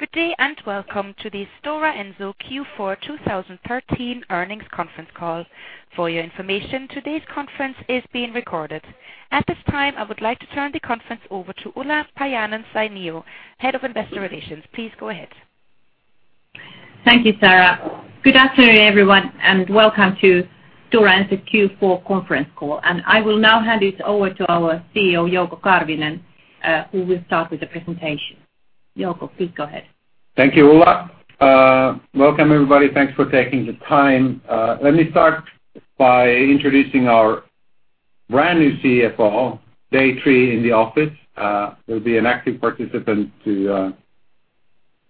Good day, welcome to the Stora Enso Q4 2013 earnings conference call. For your information, today's conference is being recorded. At this time, I would like to turn the conference over to Ulla Paajanen, Head of Investor Relations. Please go ahead. Thank you, Sarah. Good afternoon, everyone, welcome to Stora Enso Q4 conference call. I will now hand it over to our CEO, Jouko Karvinen, who will start with the presentation. Jouko, please go ahead. Thank you, Ulla. Welcome, everybody. Thanks for taking the time. Let me start by introducing our brand-new CFO, day three in the office. He'll be an active participant to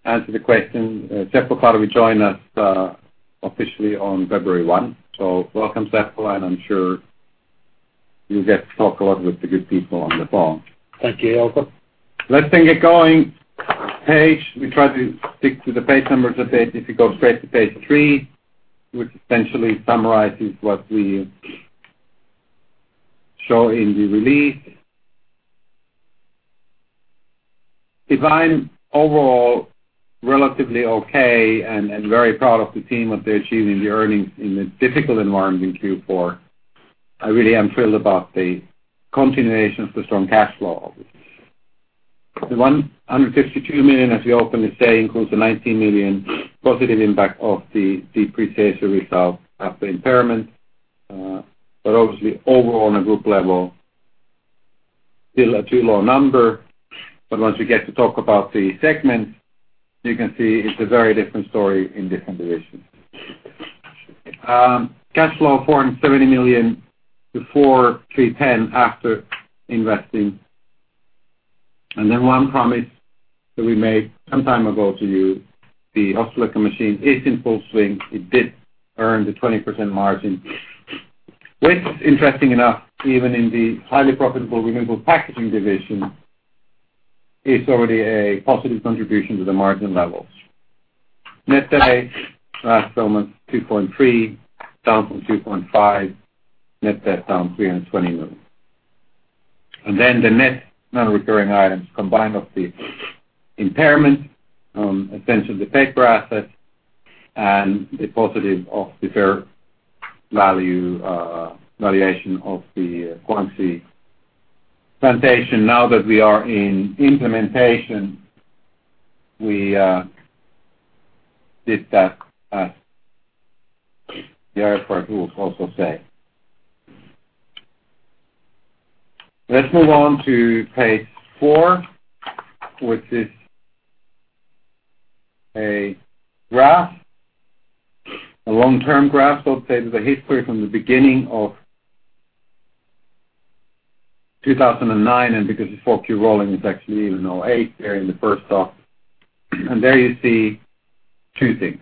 answer the questions. Seppo Parvi joined us officially on February 1. Welcome, Seppo, and I'm sure you'll get to talk a lot with the good people on the phone. Thank you, Jouko. Let's get going. Page, we try to stick to the page numbers a bit. If you go straight to page three, which essentially summarizes what we show in the release. Divine, overall, relatively okay and very proud of the team, what they achieved in the earnings in the difficult environment in Q4. I really am thrilled about the continuation of the strong cash flow, obviously. The 152 million, as we openly say, includes the 19 million positive impact of the depreciation results after impairment. Obviously, overall on a group level, still a too low number. Once we get to talk about the segments, you can see it's a very different story in different divisions. Cash flow, 470 million before, 310 after investing. One promise that we made some time ago to you, the Ostrołęka machine is in full swing. It did earn the 20% margin, which, interestingly enough, even in the highly profitable Renewable Packaging division, is already a positive contribution to the margin levels. Net sales, last 12 months, 2.3 billion, down from 2.5 billion. Net debt down 320 million. The net non-recurring items combined of the impairment, attention to paper assets, and the positive of the fair value valuation of the Guangxi plantation. Now that we are in implementation, we did that at the airport, we'll also say. Let's move on to page four, which is a graph, a long-term graph, I'll say, with a history from the beginning of 2009, and because it's 4Q rolling, it's actually even 2008 there in the first dot. There you see two things.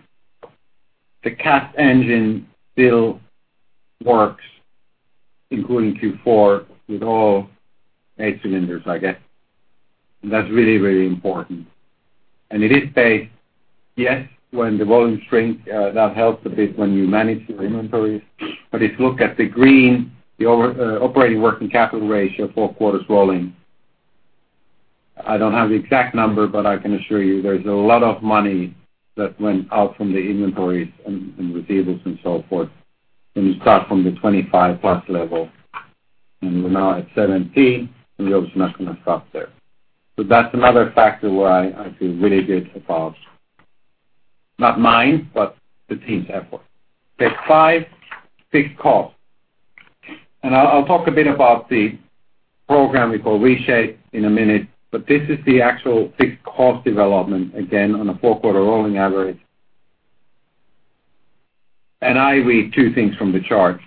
The cast engine still works, including Q4, with all eight cylinders, I guess. That's really important. It is safe. Yes, when the volumes shrink, that helps a bit when you manage your inventories. If you look at the green, the operating working capital ratio 4 quarters rolling, I don't have the exact number, but I can assure you there's a lot of money that went out from the inventories and receivables and so forth. When you start from the 25+ level, and we're now at 17, and we're also not going to stop there. That's another factor where I feel really good about, not mine, but the team's effort. Page five, fixed cost. I'll talk a bit about the program we call Reshape in a minute, this is the actual fixed cost development, again, on a 4-quarter rolling average. I read two things from the chart.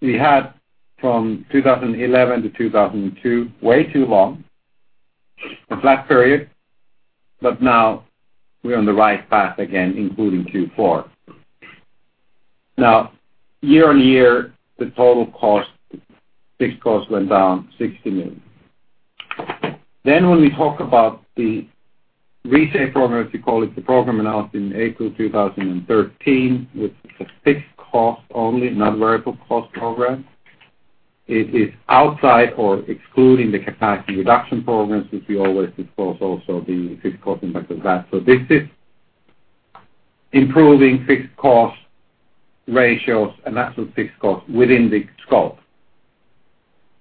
We had from 2011 to 2002, way too long, a flat period, now we're on the right path again, including Q4. Now, year-on-year, the total fixed cost went down 60 million. When we talk about the Reshape program, as we call it, the program announced in April 2013, which is a fixed cost only, not variable cost program. It is outside or excluding the capacity reduction programs, since we always disclose also the fixed cost impact of that. This is improving fixed cost ratios, and that's with fixed cost within the scope.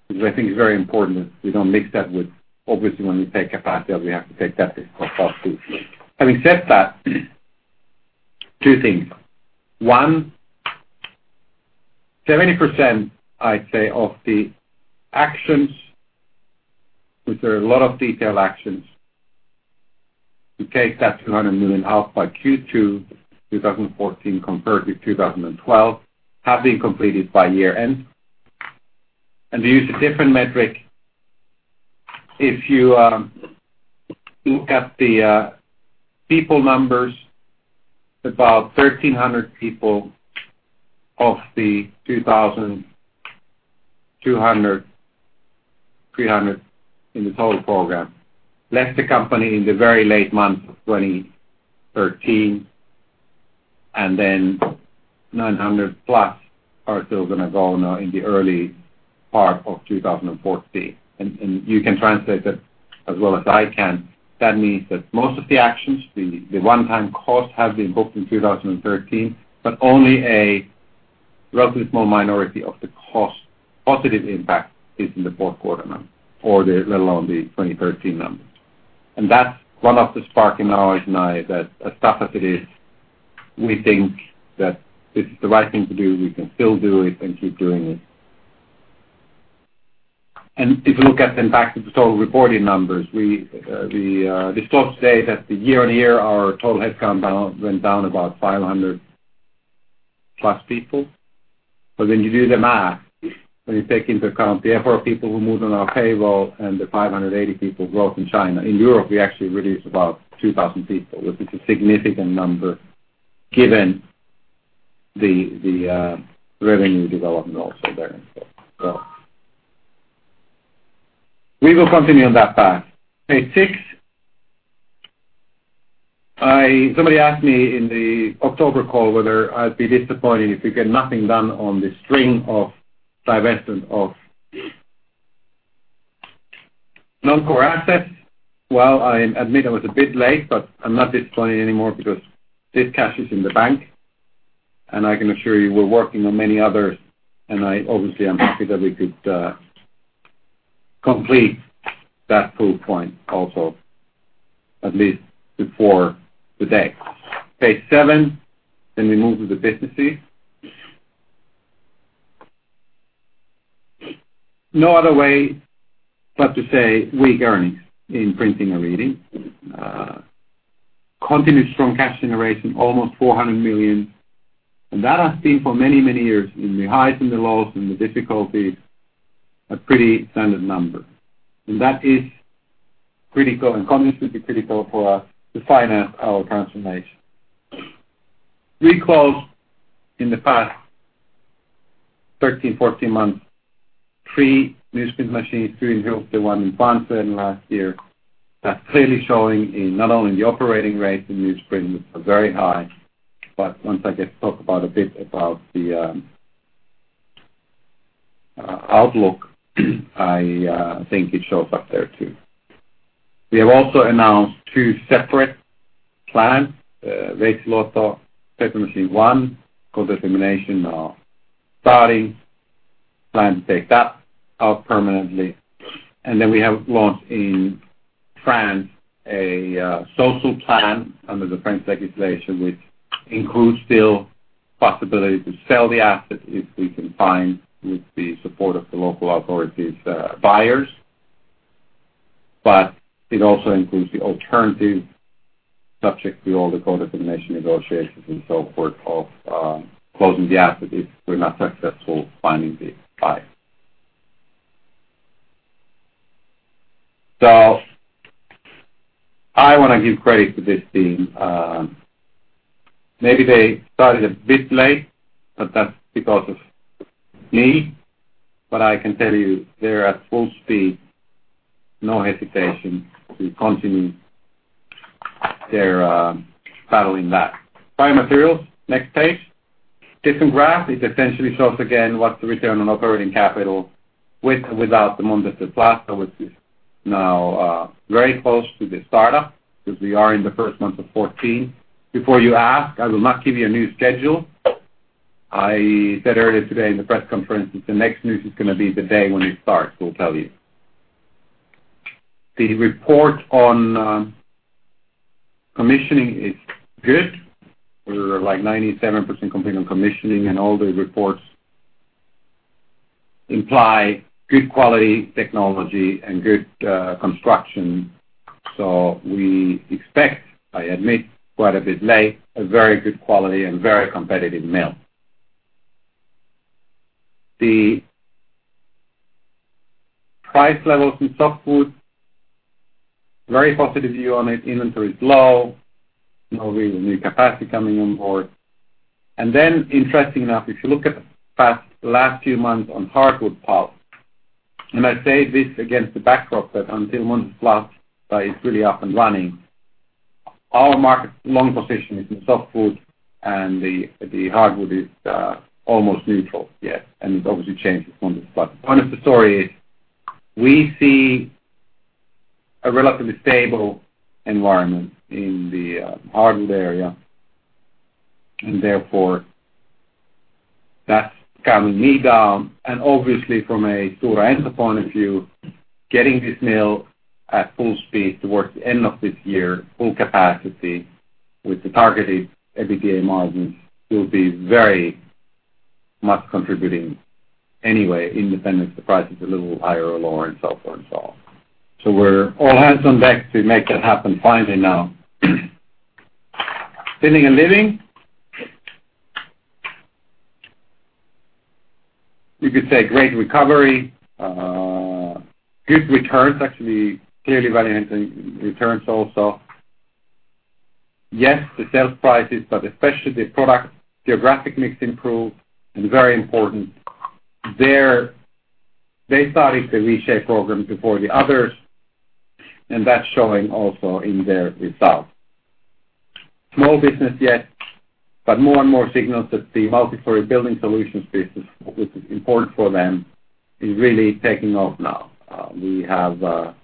Because I think it's very important that we don't mix that with, obviously, when we take capacity out, we have to take that fixed cost out, too. Having said that, two things. 70%, I'd say, of the actions, which there are a lot of detailed actions, to take that 200 million out by Q2 2014 compared with 2012, have been completed by year-end. To use a different metric, if you look at the people numbers, about 1,300 people of the 2,200, 300 in the total program left the company in the very late months of 2013. 900 plus are still going to go now in the early part of 2014. You can translate that as well as I can. That means that most of the actions, the one-time costs, have been booked in 2013, but only a relatively small minority of the cost positive impact is in the fourth quarter number or let alone the 2013 numbers. That's one of the spark in our eyes now is that, as tough as it is, we think that this is the right thing to do. We can still do it and keep doing it. If you look at them back to the total reporting numbers, the stats say that the year-on-year, our total headcount went down about 500 plus people. When you do the math, when you take into account the Inpac people who moved on our payroll and the 580 people growth in China. In Europe, we actually reduced about 2,000 people, which is a significant number given the revenue development also there. We will continue on that path. Page six. Somebody asked me in the October call whether I'd be disappointed if we get nothing done on the string of divestment of non-core assets. I admit I was a bit late, I'm not disappointed anymore because this cash is in the bank, I can assure you we're working on many others, I obviously am happy that we could complete that full point also, at least before today. Page seven, we move to the businesses. No other way but to say weak earnings in Printing and Reading. Continued strong cash generation, almost 400 million. That has been for many, many years in the highs and the lows and the difficulties, a pretty standard number. That is critical and continues to be critical for us to finance our transformation. We closed, in the past 13-14 months, 3 newsprint machines, 2 in Hylte, 1 in France late last year. That's clearly showing in not only the operating rates in newsprint, which are very high, once I get to talk about a bit about the outlook, I think it shows up there too. We have also announced 2 separate plans. Veitsiluoto paper machine one, co-determination are starting. Plan to take that out permanently. We have launched in France a social plan under the French legislation, which includes still possibility to sell the asset if we can find, with the support of the local authorities, buyers. It also includes the alternative, subject to all the co-determination negotiations and so forth, of closing the asset if we're not successful finding the buyer. I want to give credit to this team. Maybe they started a bit late, that's because of me. I can tell you they're at full speed, no hesitation to continue their battle in that. Biomaterials, next page. Different graph. It essentially shows again what's the return on operating capital with or without the Montes del Plata, which is now very close to the startup, because we are in the first month of 2014. Before you ask, I will not give you a new schedule. I said earlier today in the press conference that the next news is going to be the day when it starts. We'll tell you. The report on commissioning is good. We are like 97% complete on commissioning, and all the reports imply good quality technology and good construction. We expect, I admit, quite a bit late, a very good quality and very competitive mill. The price levels in softwood, very positive view on it. Inventory is low. No really new capacity coming on board. Interestingly enough, if you look at the past last few months on hardwood pulp, I say this against the backdrop that until Montes del Plata is really up and running, our market long position is in softwood and the hardwood is almost neutral. It obviously changes with Montes del Plata. The point of the story is we see a relatively stable environment in the hardwood area, therefore, that's calming me down. Obviously from a Stora Enso point of view, getting this mill at full speed towards the end of this year, full capacity with the targeted EBITDA margins will be very much contributing anyway, independent if the price is a little higher or lower and so forth. We're all hands on deck to make that happen finally now. Building and Living. You could say great recovery. Good returns, actually. Clearly value enhancing returns also. The sales prices, especially the product geographic mix improved and very important. They started the Reshape program before the others. That's showing also in their results. Small business yet, but more and more signals that the multi-story Building Solutions business, which is important for them, is really taking off now. We have all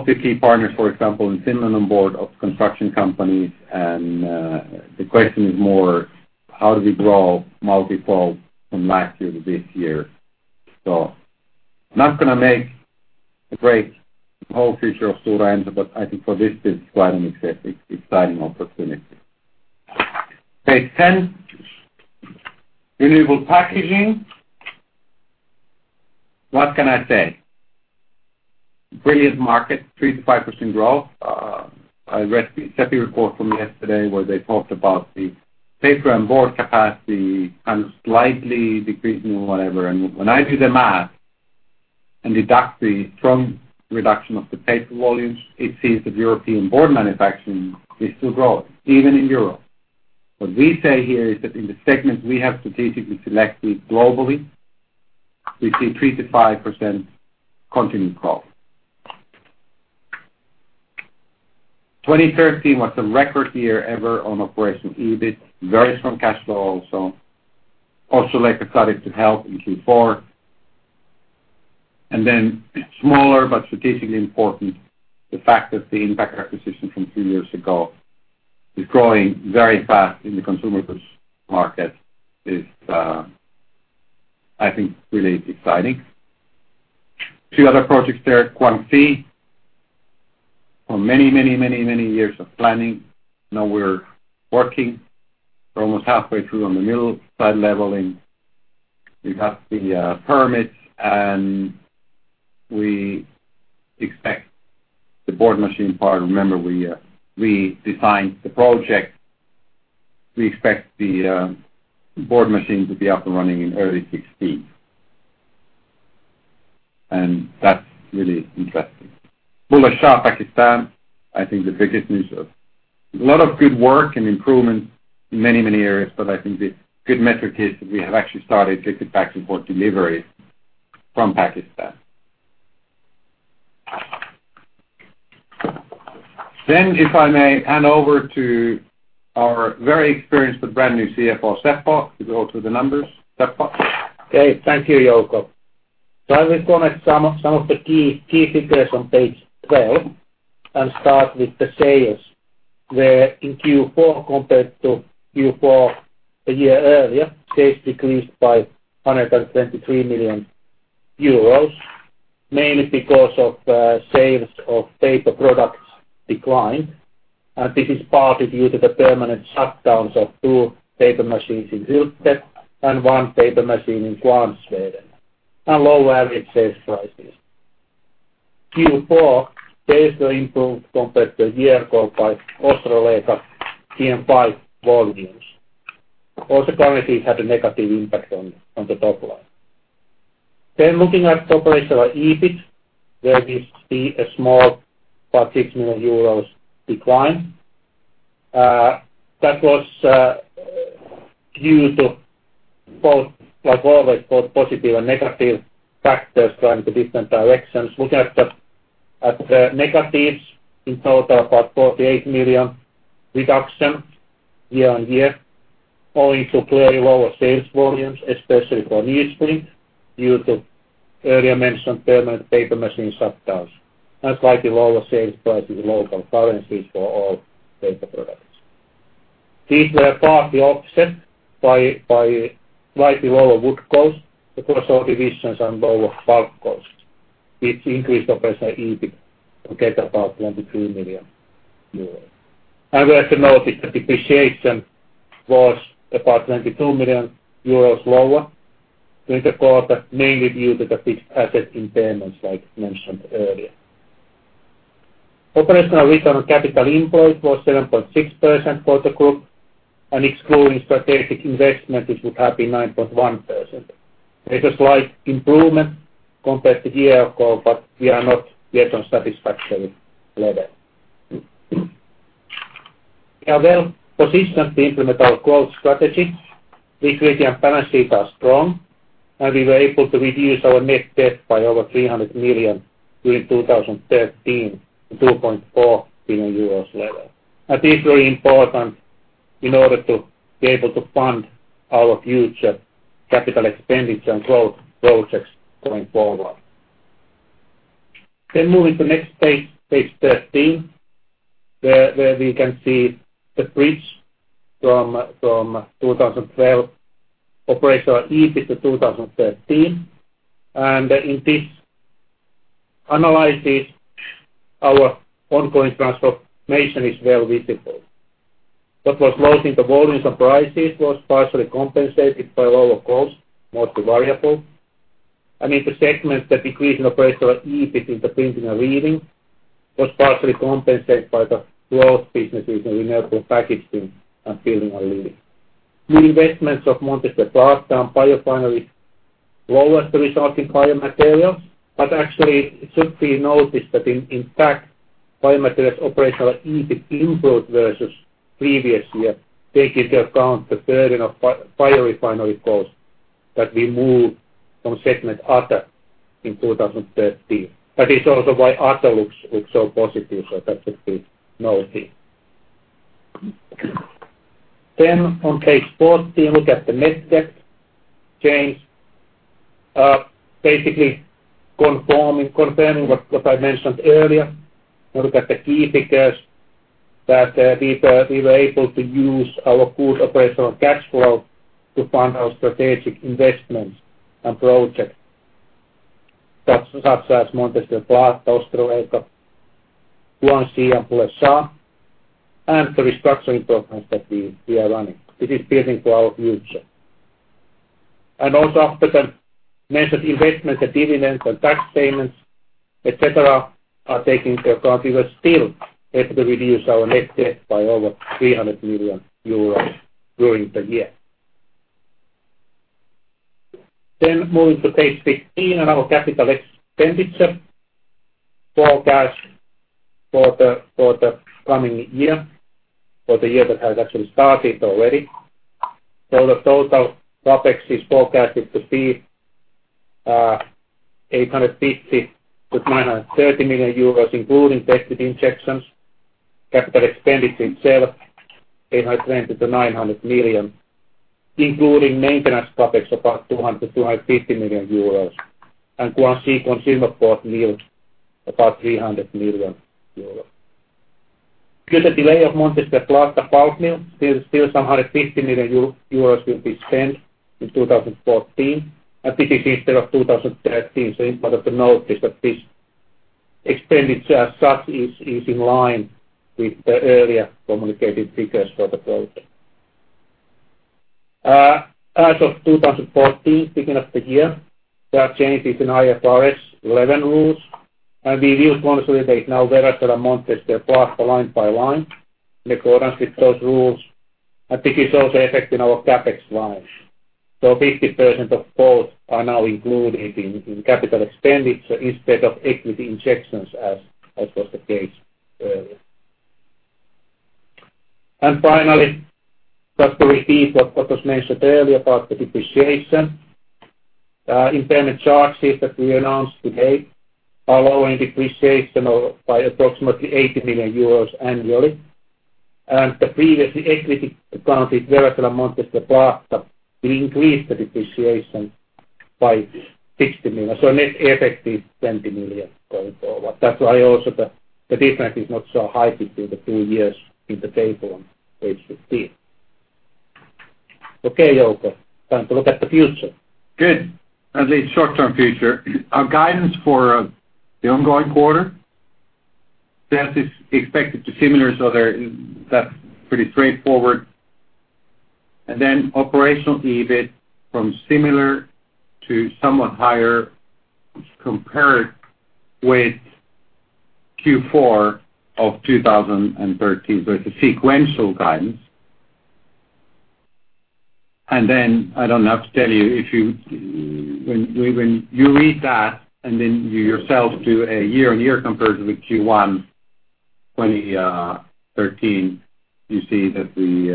of the key partners, for example, in Finland on board of construction companies. The question is more, how do we grow multiples from last year to this year? I'm not going to make a great whole future of Stora Enso, but I think for this business, quite an exciting opportunity. Page 10. Renewable Packaging. What can I say? Brilliant market, 3%-5% growth. I read the CEPI report from yesterday where they talked about the paper and board capacity and slightly decreasing or whatever. When I do the math and deduct the strong reduction of the paper volumes, it seems that European board manufacturing is still growing, even in Europe. What we say here is that in the segments we have strategically selected globally, we see 3%-5% continued growth. 2013 was a record year ever on operational EBIT. Very strong cash flow also. Also, like I said, it helped in Q4. Smaller, but strategically important, the fact that the Inpac acquisition from two years ago is growing very fast in the consumer goods market is, I think, really exciting. Two other projects there, Guangxi. For many years of planning, now we're working. We're almost halfway through on the mill site leveling. We have the permits. We expect the board machine part Remember, we designed the project. We expect the board machine to be up and running in early 2016. That's really interesting. Bulleh Shah, Pakistan, I think the biggest news of a lot of good work and improvements in many areas, but I think the good metric is that we have actually started liquid packaging for delivery from Pakistan. If I may hand over to our very experienced, but brand new CFO, Seppo, to go through the numbers. Seppo? Thank you, Jouko. I will comment some of the key figures on page 12 and start with the sales. Where in Q4 compared to Q4 a year earlier, sales decreased by 123 million euros, mainly because of sales of paper products decline. This is partly due to the permanent shutdowns of two paper machines in Hylte and one paper machine in Kvarnsveden, and lower average sales prices. Q4 sales improved compared to a year ago by Ostrołęka PM5 volumes. Currency had a negative impact on the top line. Looking at operational EBIT, where we see a small, about 6 million euros decline. That was due to both, like always, both positive and negative factors going to different directions. Looking at the negatives, in total, about 48 million reduction year on year, owing to clearly lower sales volumes, especially for Newsprint due to earlier mentioned permanent paper machine shutdowns, and slightly lower sales prices in local currencies for all paper products. These were partly offset by slightly lower wood cost across all divisions and lower pulp cost, which increased operational EBIT to get about EUR 23 million. We have to notice that depreciation was about 23 million euros lower during the quarter, mainly due to the fixed asset impairments, like mentioned earlier. Operational return on capital employed was 7.6% for the group, and excluding strategic investment, it would have been 9.1%. There's a slight improvement compared to a year ago, but we are not yet on satisfactory level. We are well-positioned to implement our growth strategy. Liquidity and balance sheet are strong. We were able to reduce our net debt by over 300 million during 2013 to 2.4 billion euros level. That is very important in order to be able to fund our future capital expenditure and growth projects going forward. Moving to next page 13, where we can see the bridge from 2012 operational EBIT to 2013. In this analysis, our ongoing transformation is well visible. What was lost in the volumes and prices was partially compensated by lower costs, mostly variable. In the segment, the decrease in operational EBIT in the Printing and Reading was partially compensated by the growth businesses in Renewable Packaging and Building and Living. The investments of Montes del Plata and Biorefinery lowered the results in Biomaterials, but actually it should be noticed that in fact, Biomaterials operational EBIT improved versus previous year, taking into account the burden of Biorefinery costs that we moved from segment other in 2013. That is also why other looks so positive, so that should be noted. On page 14, look at the net debt change. Basically confirming what I mentioned earlier. Look at the key figures that we were able to use our good operational cash flow to fund our strategic investments and projects such as Montes del Plata, Ostrołęka, Guangxi, and Bulleh Shah, and the restructuring programs that we are running. This is building for our future. Also, after the mentioned investments and dividends and tax payments, et cetera, are taken into account, we were still able to reduce our net debt by over 300 million euros during the year. Moving to page 15 and our Capital Expenditure forecast for the coming year, for the year that has actually started already. The total CapEx is forecasted to be 850 million-930 million euros, including equity injections. Capital expenditure itself, 820 million-900 million, including maintenance CapEx about 200 million-250 million euros and Guangxi Consumer Board mill about 300 million euros. Due to delay of Montes del Plata pulp mill, still some 150 million euros will be spent in 2014, and this is instead of 2013. It is important to notice that this expenditure as such is in line with the earlier communicated figures for the project. As of 2014, beginning of the year, there are changes in IFRS 11 rules. We use consolidate now Veracel and Montes del Plata line by line in accordance with those rules. This is also affecting our CapEx lines. 50% of both are now included in capital expenditure instead of equity injections as was the case earlier. Finally, just to repeat what was mentioned earlier about the depreciation. Impairment charges that we announced today are lowering depreciation by approximately 80 million euros annually. The previously equity accounted Veracel and Montes del Plata, we increased the depreciation by 60 million. Net effect is 20 million going forward. That is why also the difference is not so high between the two years in the table on page 15. Okay, Jouko. Time to look at the future. Good. At least short-term future. Our guidance for the ongoing quarter. Sales is expected to be similar, that is pretty straightforward. Operational EBIT from similar to somewhat higher compared with Q4 2013 versus sequential guidance. I don't have to tell you, when you read that and then you yourself do a year-on-year comparison with Q1 2013, you see that we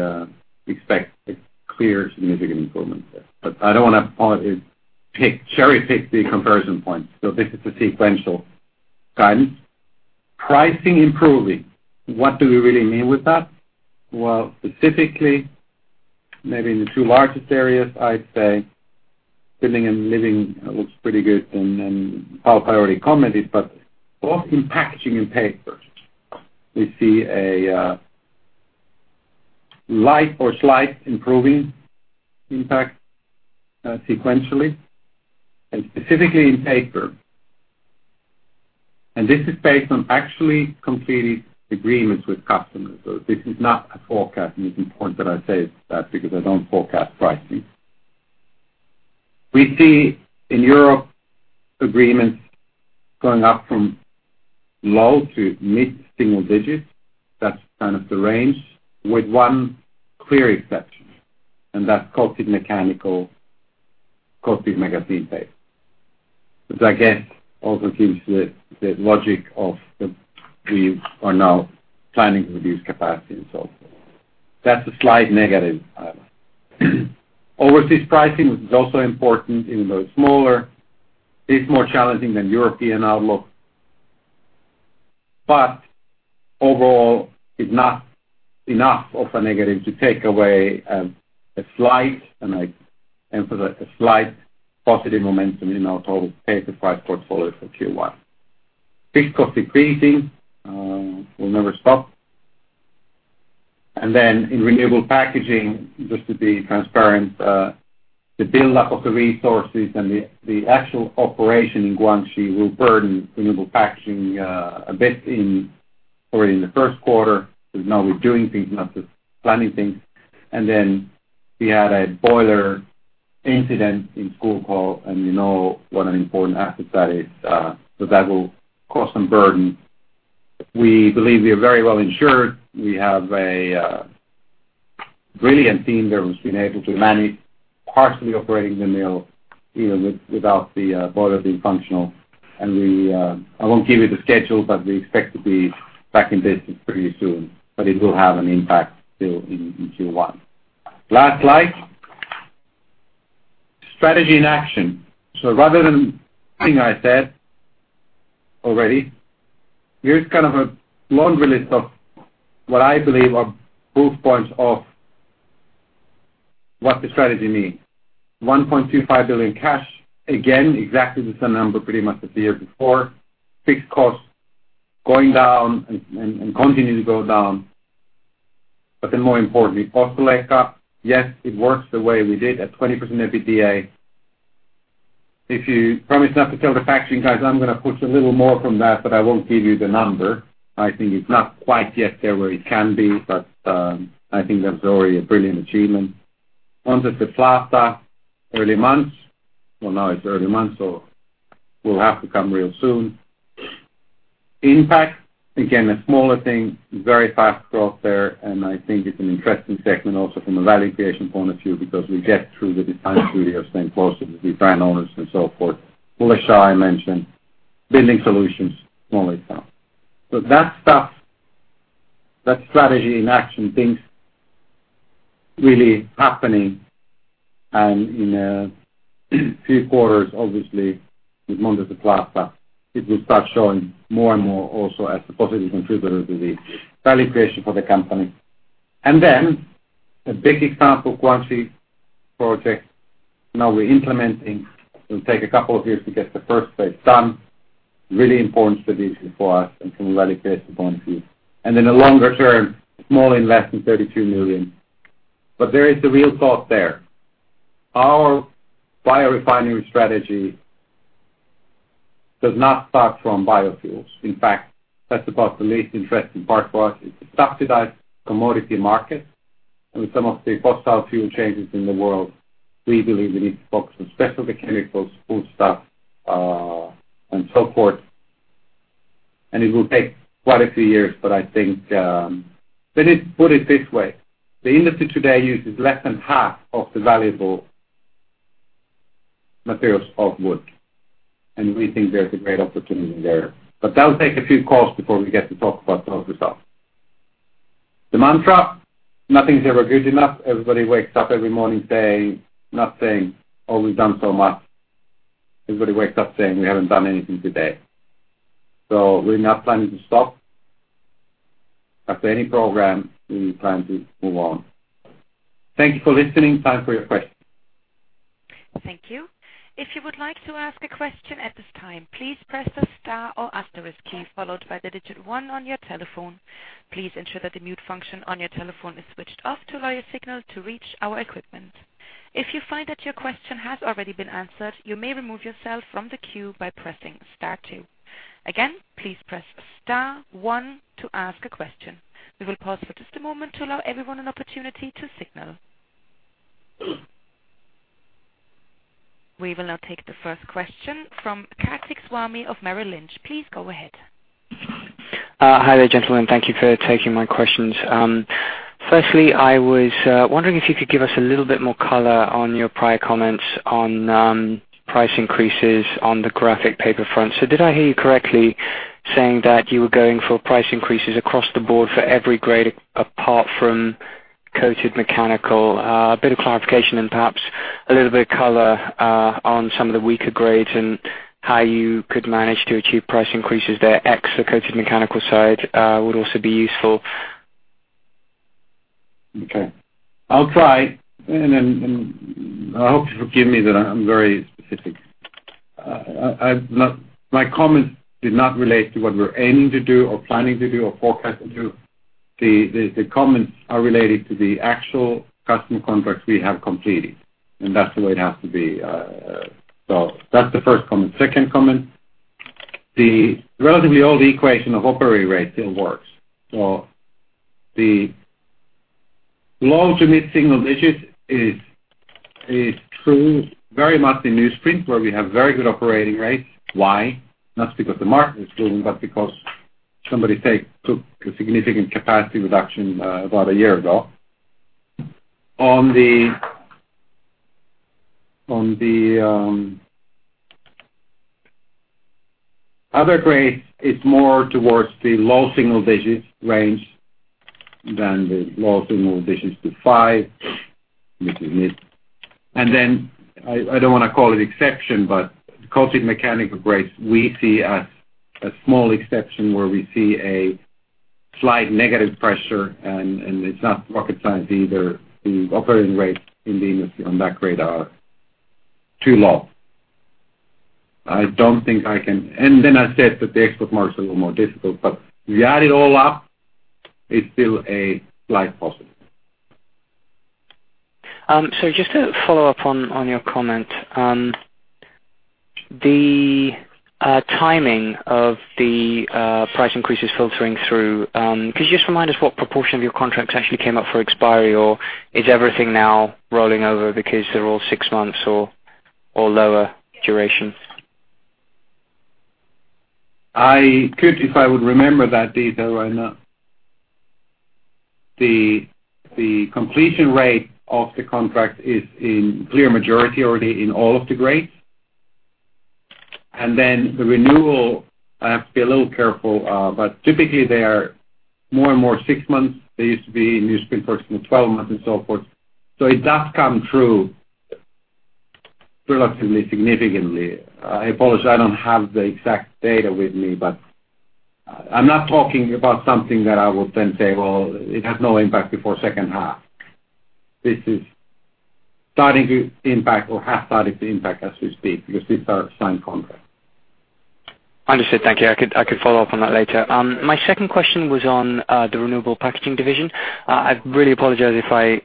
expect a clear significant improvement there. I don't want to cherry-pick the comparison point. This is the sequential guidance. Pricing improving. What do we really mean with that? Well, specifically maybe in the two largest areas, I'd say Building and Living looks pretty good, and then [Parvi] already commented, but also in packaging and paper, we see a light or slight improving impact sequentially and specifically in paper. This is based on actually completed agreements with customers. This is not a forecast, and it's important that I say that because I don't forecast pricing. We see in Europe agreements going up from low to mid-single digits. That's kind of the range with one clear exception, and that's coated mechanical, coated magazine paper, which I guess also gives the logic of we are now planning to reduce capacity. That's a slight negative item. Overseas pricing, which is also important even though it's smaller, is more challenging than European outlook. Overall, it's not enough of a negative to take away a slight, and I emphasize a slight, positive momentum in our total paper price portfolio for Q1. Fixed cost decreasing will never stop. In Renewable Packaging, just to be transparent, the buildup of the resources and the actual operation in Guangxi will burden Renewable Packaging a bit already in the first quarter, because now we're doing things, not just planning things. We had a boiler incident in Kaukopää, and you know what an important asset that is. That will cause some burden. We believe we are very well insured. We have a brilliant team there who's been able to manage partially operating the mill without the boiler being functional. I won't give you the schedule, but we expect to be back in business pretty soon, but it will have an impact still in Q1. Last slide. Strategy in action. Rather than everything I said already, here's kind of a laundry list of what I believe are proof points of what the strategy means. 1.25 billion cash, again, exactly the same number pretty much as the year before. Fixed costs going down and continuing to go down. More importantly, cost breakup. Yes, it works the way we did at 20% EBITDA. If you promise not to tell the factoring guys, I'm going to push a little more from that, but I won't give you the number. I think it's not quite yet there where it can be, but I think that's already a brilliant achievement. Mondi Feforza, early months. Now it's early months, so we'll have to come real soon. Inpac, again, a smaller thing, very fast growth there, and I think it's an interesting segment also from a value creation point of view because we get through the design studio, staying closer to the brand owners and so forth. Full of shine, I mentioned. Building Solutions, small example. That stuff, that strategy in action, things really happening. In a few quarters, obviously, with Mondi Feforza, it will start showing more and more also as a positive contributor to the value creation for the company. A big example, Guangxi project. Now we're implementing. It will take a couple of years to get the first phase done. Really important strategic for us and from a value creation point of view. A longer term, small investment, 32 million. There is a real thought there. Our Biorefinery strategy does not start from biofuels. In fact, that's about the least interesting part for us. It's a subsidized commodity market, and with some of the fossil fuel changes in the world, we believe we need to focus on specialty chemicals, foodstuffs, and so forth. It will take quite a few years, I think. Let me put it this way. The industry today uses less than half of the valuable materials of wood, and we think there's a great opportunity there. That'll take a few calls before we get to talk about those results. The mantra, nothing's ever good enough. Everybody wakes up every morning not saying, "Oh, we've done so much." Everybody wakes up saying, "We haven't done anything today." We're not planning to stop. After any program, we plan to move on. Thank you for listening. Time for your questions. Thank you. If you would like to ask a question at this time, please press the star or asterisk key, followed by the digit 1 on your telephone. Please ensure that the mute function on your telephone is switched off to allow your signal to reach our equipment. If you find that your question has already been answered, you may remove yourself from the queue by pressing star 2. Again, please press star 1 to ask a question. We will pause for just a moment to allow everyone an opportunity to signal. We will now take the first question from Karthik Swami of Merrill Lynch. Please go ahead. Hi there, gentlemen. Thank you for taking my questions. Firstly, I was wondering if you could give us a little bit more color on your prior comments on price increases on the graphic paper front. Did I hear you correctly saying that you were going for price increases across the board for every grade apart from coated mechanical? A bit of clarification and perhaps a little bit of color on some of the weaker grades and how you could manage to achieve price increases there, ex the coated mechanical side, would also be useful. Okay. I'll try. I hope you forgive me that I'm very specific. My comments did not relate to what we're aiming to do or planning to do or forecast to do. The comments are related to the actual customer contracts we have completed, and that's the way it has to be. That's the first comment. Second comment, the relatively old equation of operating rate still works. The low to mid-single digits is true very much in newsprint, where we have very good operating rates. Why? Not because the market is booming, but because somebody took a significant capacity reduction about a year ago. On the other grades, it's more towards the low single-digit range than the low single digits to five, which is mid. I don't want to call it exception, but the coated mechanical grades, we see a small exception where we see a slight negative pressure, it's not rocket science either. The operating rates in the industry on that grade are too low. I said that the export markets are a little more difficult, if you add it all up, it's still a slight positive. Just to follow up on your comment. The timing of the price increases filtering through, could you just remind us what proportion of your contracts actually came up for expiry? Or is everything now rolling over because they're all six months or lower duration? I could, if I would remember that detail right now. The completion rate of the contract is in clear majority already in all of the grades. The renewal, I have to be a little careful, typically they are more and more six months. They used to be personally 12 months and so forth. It does come through relatively significantly. I apologize, I don't have the exact data with me, I'm not talking about something that I would then say, "Well, it has no impact before second half." This is starting to impact or has started to impact as we speak, because these are signed contracts. Understood. Thank you. I could follow up on that later. My second question was on the Renewable Packaging division. I really apologize if I'd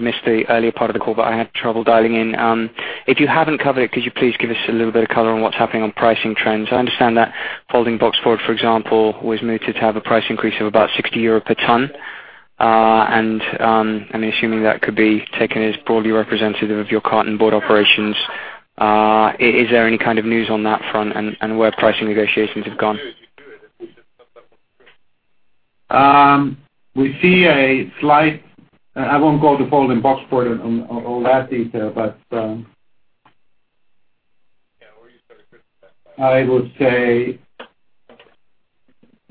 missed the earlier part of the call, I had trouble dialing in. If you haven't covered it, could you please give us a little bit of color on what's happening on pricing trends? I understand that folding boxboard, for example, was mooted to have a price increase of about 60 euro per tonne. I'm assuming that could be taken as broadly representative of your carton board operations. Is there any kind of news on that front and where pricing negotiations have gone? We see a slight I won't go to folding boxboard on all that detail. I would say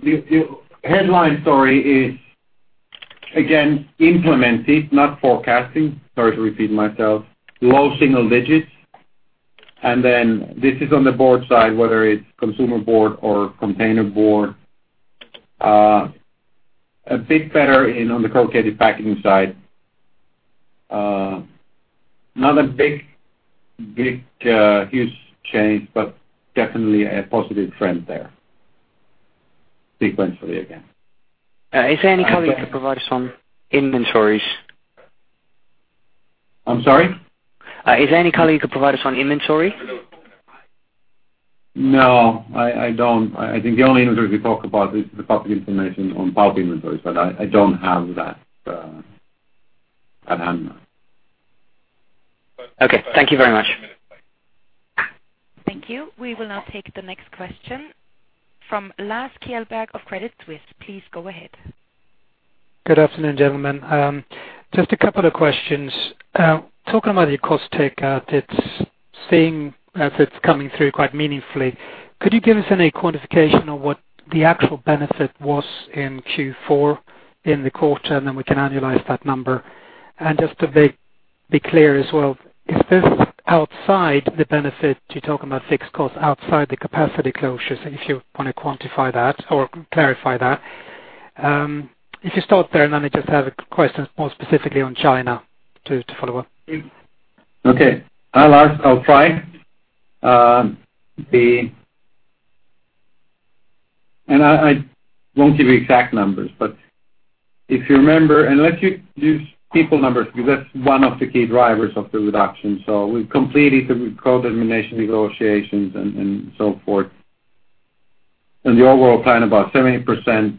the headline story is again, implemented, not forecasting. Sorry to repeat myself. Low single digits. This is on the board side, whether it's Consumer Board or Containerboard. A bit better on the corrugated packaging side. Not a huge change, definitely a positive trend there. Sequentially, again. Is there any color you could provide us on inventories? I'm sorry? Is there any color you could provide us on inventory? No, I don't. I think the only inventory we talk about is the public information on pulp inventories, but I don't have that at hand, no. Okay. Thank you very much. Thank you. We will now take the next question from Lars Kjellberg of Credit Suisse. Please go ahead. Good afternoon, gentlemen. Just a couple of questions. Talking about your cost takeout, it's seeing as it's coming through quite meaningfully. Then we can annualize that number. Just to be clear as well, is this outside the benefit you're talking about fixed costs outside the capacity closures, if you want to quantify that or clarify that? If you stop there, and then I just have questions more specifically on China to follow up. Okay. Hi, Lars. I'll try. I won't give you exact numbers, but if you remember, let's use people numbers, because that's one of the key drivers of the reduction. We've completed the co-determination negotiations and so forth. In the overall plan, about 70%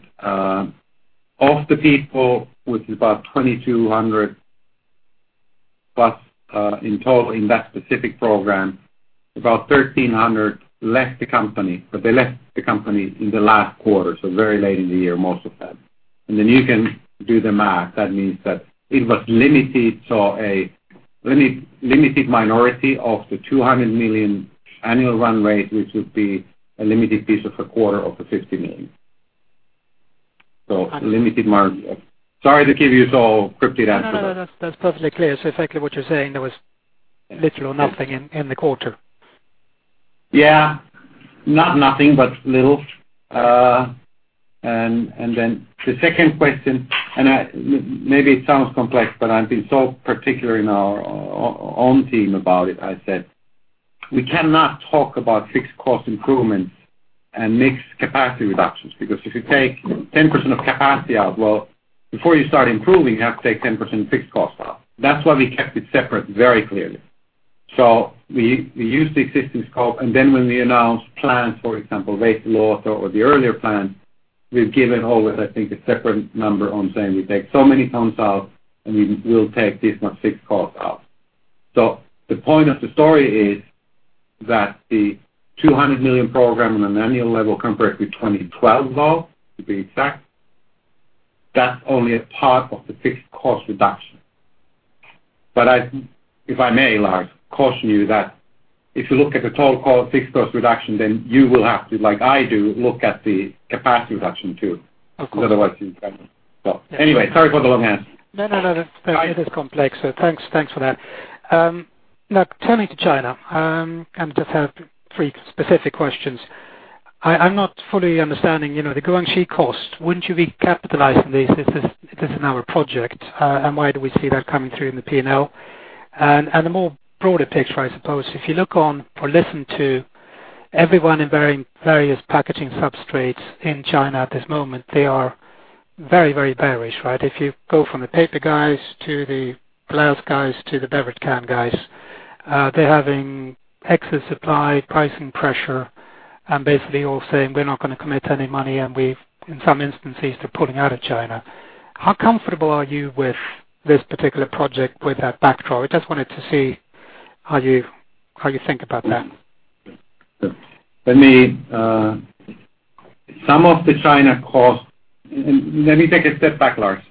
of the people, which is about 2,200 plus in total in that specific program, about 1,300 left the company. They left the company in the last quarter, so very late in the year, most of them. You can do the math. That means that it was limited. A limited minority of the 200 million annual run rate, which would be a limited piece of a quarter of the 50 million. Understood. Limited margin. Sorry to give you so cryptic answer. No, that's perfectly clear. Effectively what you're saying, there was little or nothing in the quarter. Yeah. Not nothing, but little. The second question, maybe it sounds complex, but I've been so particular in our own team about it. I said we cannot talk about fixed cost improvements and mix capacity reductions because if you take 10% of capacity out, well, before you start improving, you have to take 10% fixed costs out. That's why we kept it separate very clearly. We use the existing scope, and then when we announce plans, for example, Veitsiluoto or the earlier plans, we've given always, I think, a separate number on saying, "We take so many tons out, and we will take this much fixed cost out." The point of the story is that the 200 million program on an annual level compared to 2012 level, to be exact, that's only a part of the fixed cost reduction. If I may, Lars, caution you that if you look at the total fixed cost reduction, then you will have to, like I do, look at the capacity reduction, too. Of course. Otherwise, you can't. Anyway, sorry for the long answer. It is complex, so thanks for that. Turning to China, just have three specific questions. I'm not fully understanding, the Guangxi cost. Wouldn't you be capitalizing this if this is now a project? Why do we see that coming through in the P&L? The more broader picture, I suppose, if you look on or listen to everyone in various packaging substrates in China at this moment, they are very bearish, right? If you go from the paper guys to the glass guys to the beverage can guys, they're having excess supply, pricing pressure, and basically all saying, "We're not going to commit any money," and in some instances, they're pulling out of China. How comfortable are you with this particular project, with that backdrop? I just wanted to see how you think about that. Some of the China cost. Let me take a step back, Lars.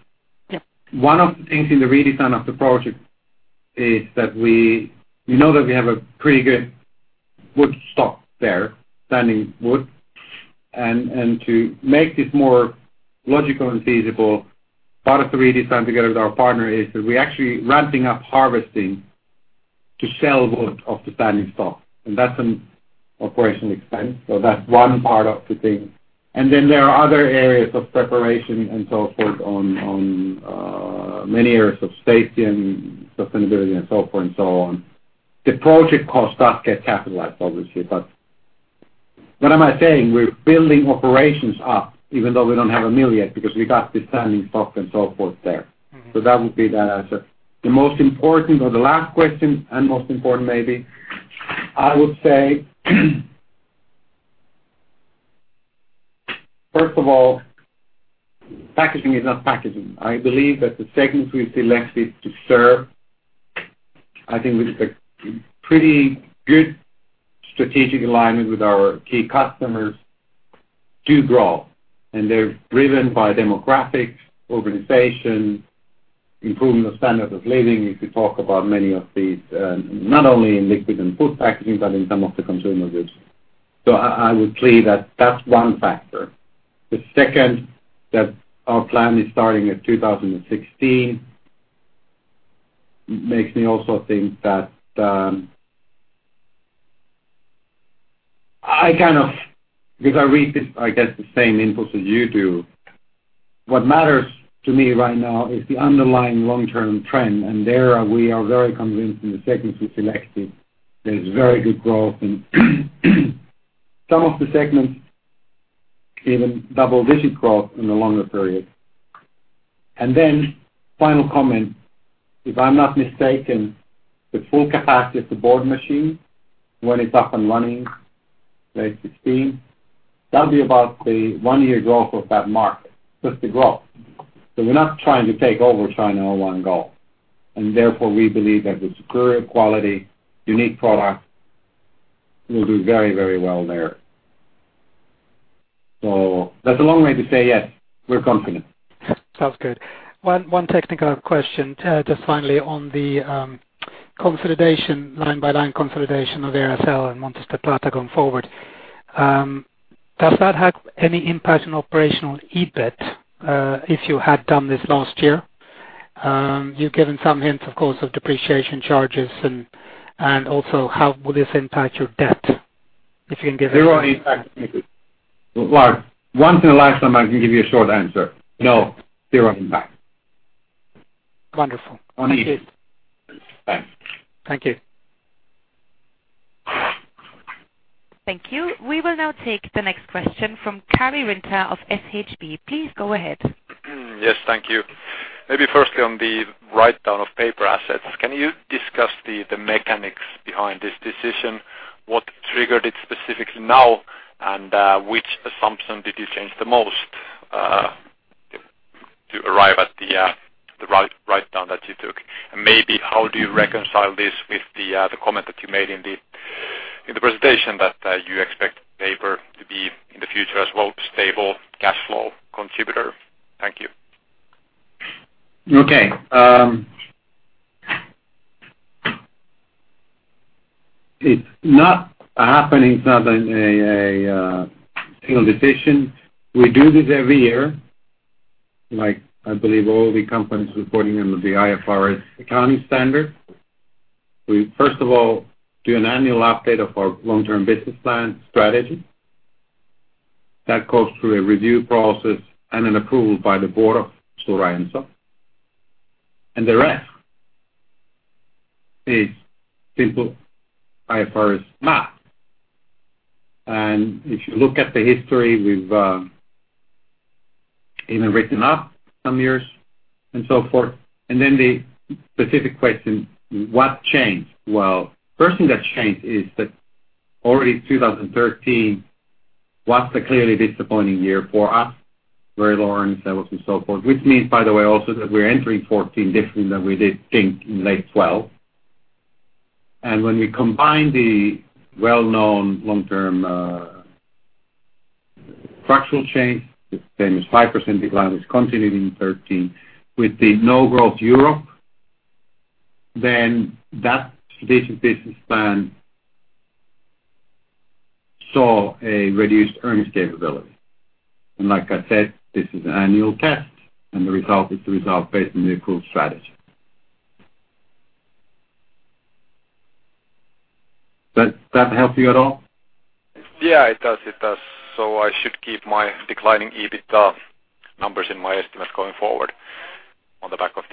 Yeah. One of the things in the redesign of the project is that we know that we have a pretty good wood stock there, standing wood. To make this more logical and feasible, part of the redesign together with our partner is that we're actually ramping up harvesting to sell wood off the standing stock. That's an operational expense. That's one part of the thing. Then there are other areas of preparation and so forth on many areas of safety and sustainability and so forth and so on. The project costs does get capitalized, obviously. What am I saying? We're building operations up, even though we don't have a mill yet, because we got the standing stock and so forth there. That would be that answer. The last question, and most important maybe, I would say, first of all, packaging is not packaging. I believe that the segments we've selected to serve, I think we have a pretty good strategic alignment with our key customers to grow. They're driven by demographics, urbanization, improving the standard of living. You could talk about many of these, not only in liquid and food packaging, but in some of the consumer goods. I would say that that's one factor. The second, that our plan is starting in 2016, makes me also think that, because I read, I get the same inputs as you do. What matters to me right now is the underlying long-term trend, and there, we are very convinced in the segments we've selected. There's very good growth in some of the segments, even double-digit growth in the longer period. Then, final comment, if I'm not mistaken, the full capacity of the board machine, when it's up and running late 2016, that'll be about the one-year growth of that market, just the growth. We're not trying to take over China in one go. Therefore, we believe that the superior quality, unique product, will do very well there. That's a long way to say, yes, we're confident. Sounds good. One technical question, just finally on the line-by-line consolidation of the Veracel and Montes del Plata going forward. Does that have any impact on operational EBIT, if you had done this last year? You've given some hints, of course, of depreciation charges and also how will this impact your debt, if you can give us. Zero impact. Lars, once in a lifetime I can give you a short answer. No. Zero impact. Wonderful. Thank you. Thanks. Thank you. Thank you. We will now take the next question from Kari Winter of SHB. Please go ahead. Yes, thank you. Maybe firstly on the write-down of paper assets. Can you discuss the mechanics behind this decision? What triggered it specifically now? Which assumption did you change the most to arrive at the write-down that you took? Maybe how do you reconcile this with the comment that you made in the presentation, that you expect paper to be, in the future as well, stable cash flow contributor? Thank you. Okay. It's not happening. It's not a single decision. We do this every year, like I believe all the companies reporting under the IFRS accounting standard. We first of all do an annual update of our long-term business plan strategy. That goes through a review process and an approval by the board of Stora Enso. The rest is simple IFRS math. If you look at the history, we've even written up some years and so forth. The specific question, what changed? Well, first thing that changed is that already 2013 was a clearly disappointing year for us. Very low in sales and so forth, which means, by the way, also that we're entering 2014 differently than we did think in late 2012. When we combine the well-known long-term structural change, the famous 5% decline, which continued in 2013, with the no growth Europe, then that strategic business plan saw a reduced earnings capability. Like I said, this is an annual test, and the result is the result based on the approved strategy. Does that help you at all? Yeah, it does. I should keep my declining EBIT numbers in my estimate going forward on the back of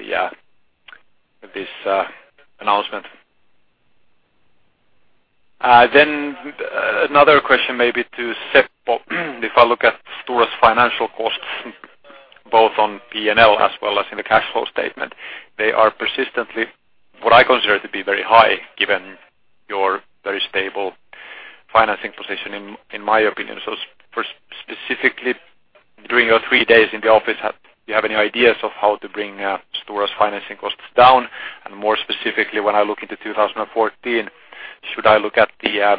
this announcement. Another question maybe to Seppo. If I look at Stora's financial costs, both on P&L as well as in the cash flow statement, they are persistently what I consider to be very high given your very stable financing position, in my opinion. Specifically during your three days in the office, do you have any ideas of how to bring Stora's financing costs down? More specifically, when I look into 2014, should I look at the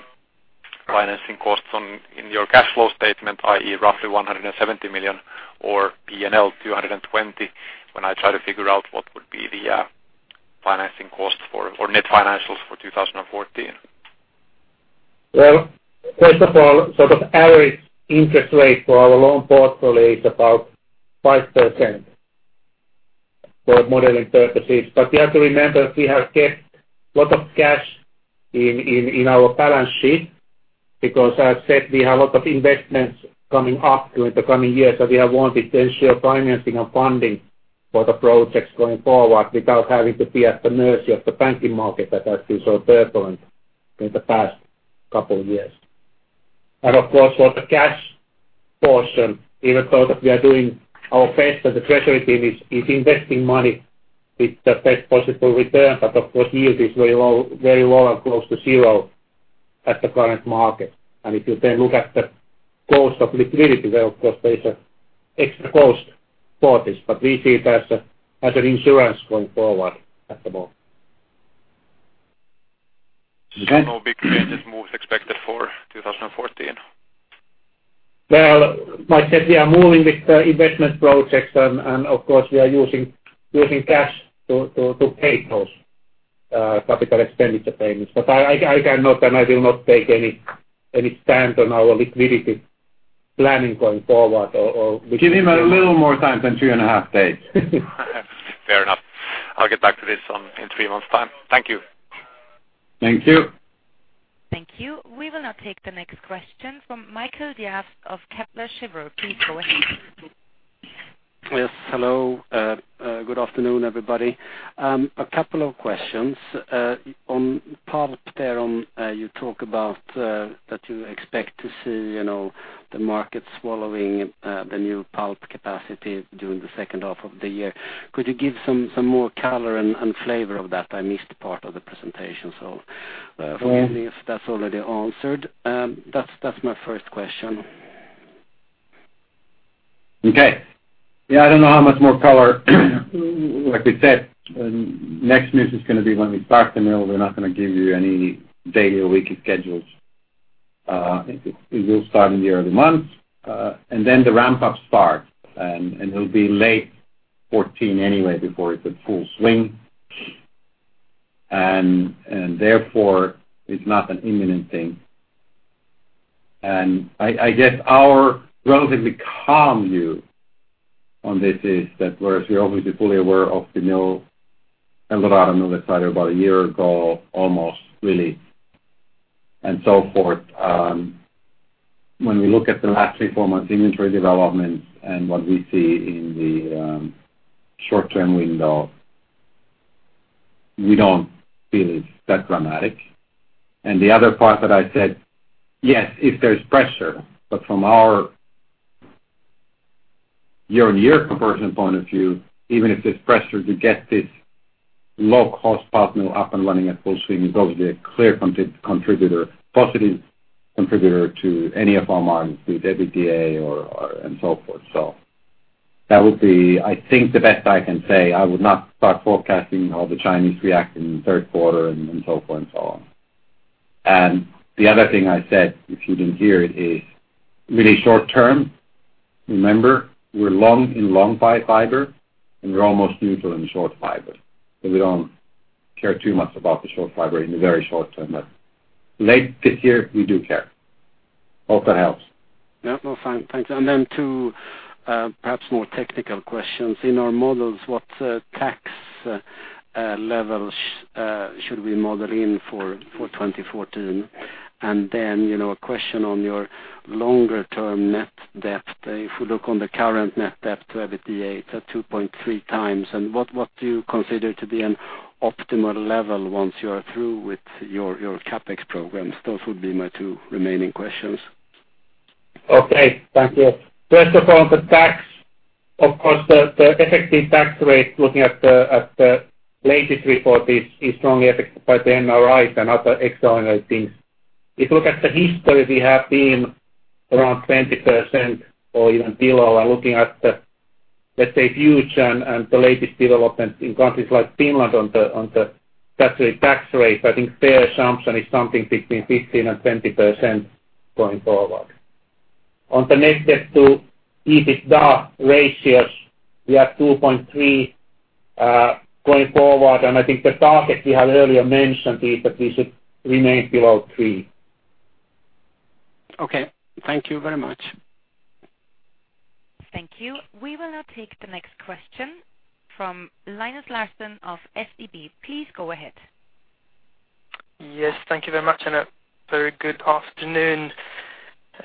financing costs in your cash flow statement, i.e., roughly 170 million or P&L 220 million when I try to figure out what would be the financing cost for net financials for 2014? First of all, sort of average interest rate for our loan portfolio is about 5% for modeling purposes. You have to remember, we have kept lot of cash in our balance sheet because as I said, we have a lot of investments coming up during the coming years that we have wanted to ensure financing and funding for the projects going forward without having to be at the mercy of the banking market that has been so turbulent in the past couple of years. Of course, for the cash portion, even though that we are doing our best and the treasury team is investing money with the best possible return, but of course yield is very low and close to zero at the current market. If you then look at the cost of liquidity, where of course there is an extra cost for this, but we see it as an insurance going forward at the moment. No big changes, moves expected for 2014? Well, like I said, we are moving with the investment projects and of course we are using cash to pay those capital expenditure payments. I cannot and I will not take any stand on our liquidity planning going forward or- Give him a little more time than three and a half days. Fair enough. I'll get back to this in three months time. Thank you. Thank you. Thank you. We will now take the next question from Michael Diaz of Kepler Cheuvreux. Please go ahead. Yes. Hello. Good afternoon, everybody. A couple of questions. On pulp there, you talk about that you expect to see the market swallowing the new pulp capacity during the second half of the year. Could you give some more color and flavor of that? I missed part of the presentation, so forgive me if that's already answered. That's my first question. Okay. Yeah, I don't know how much more color. Like we said, next news is going to be when we start the mill. We're not going to give you any daily or weekly schedules. It will start in the early months, and then the ramp up starts. It'll be late 2014 anyway before it's at full swing. Therefore, it's not an imminent thing. I guess our relatively calm view on this is that whereas we're obviously fully aware of the mill and rolled out another site about a year ago, almost really, and so forth. When we look at the last three, four months inventory development and what we see in the short-term window, we don't feel it's that dramatic. The other part that I said, yes, if there's pressure, but from our year-on-year conversion point of view, even if there's pressure to get this low cost pulp mill up and running at full swing, it's obviously a clear contributor, positive contributor to any of our margins, be it EBITDA and so forth. That would be, I think, the best I can say. I would not start forecasting how the Chinese react in the third quarter and so forth, so on. The other thing I said, if you didn't hear it, is really short-term. Remember, we're long in long fiber, and we're almost neutral in short fiber. We don't care too much about the short fiber in the very short-term, but late this year we do care. Hope that helps. Yeah, no, fine. Thanks. Two perhaps more technical questions. In our models, what tax levels should we model in for 2014? A question on your longer term net debt. If you look on the current net debt to EBITDA, it's at 2.3 times. What do you consider to be an optimal level once you are through with your CapEx programs? Those would be my two remaining questions. Okay. Thank you. First of all, the tax, of course, the effective tax rate, looking at the latest report is strongly affected by the NRIs and other accelerated things. If you look at the history, we have been around 20% or even below. Looking at the, let's say, future and the latest development in countries like Finland on the statutory tax rate, I think fair assumption is something between 15% and 20% going forward. On the net debt to EBITDA ratios, we are 2.3 going forward. I think the target we have earlier mentioned is that we should remain below three. Okay. Thank you very much. Thank you. We will now take the next question from Linus Larsson of SEB. Please go ahead. Yes, thank you very much and a very good afternoon.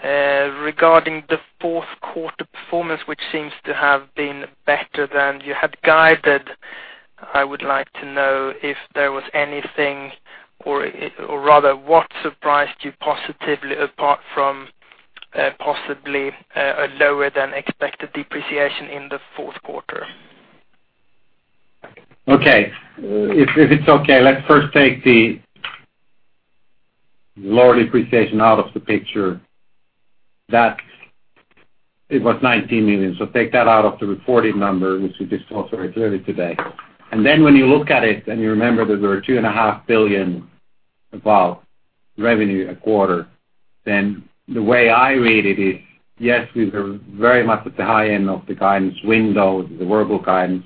Regarding the fourth quarter performance, which seems to have been better than you had guided, I would like to know if there was anything or rather what surprised you positively apart from possibly a lower than expected depreciation in the fourth quarter? Okay. If it's okay, let's first take the lower depreciation out of the picture. It was 19 million. Take that out of the reported number, which we discussed very clearly today. When you look at it and you remember that there were 2.5 billion of revenue a quarter, then the way I read it is, yes, we were very much at the high end of the guidance window, the verbal guidance.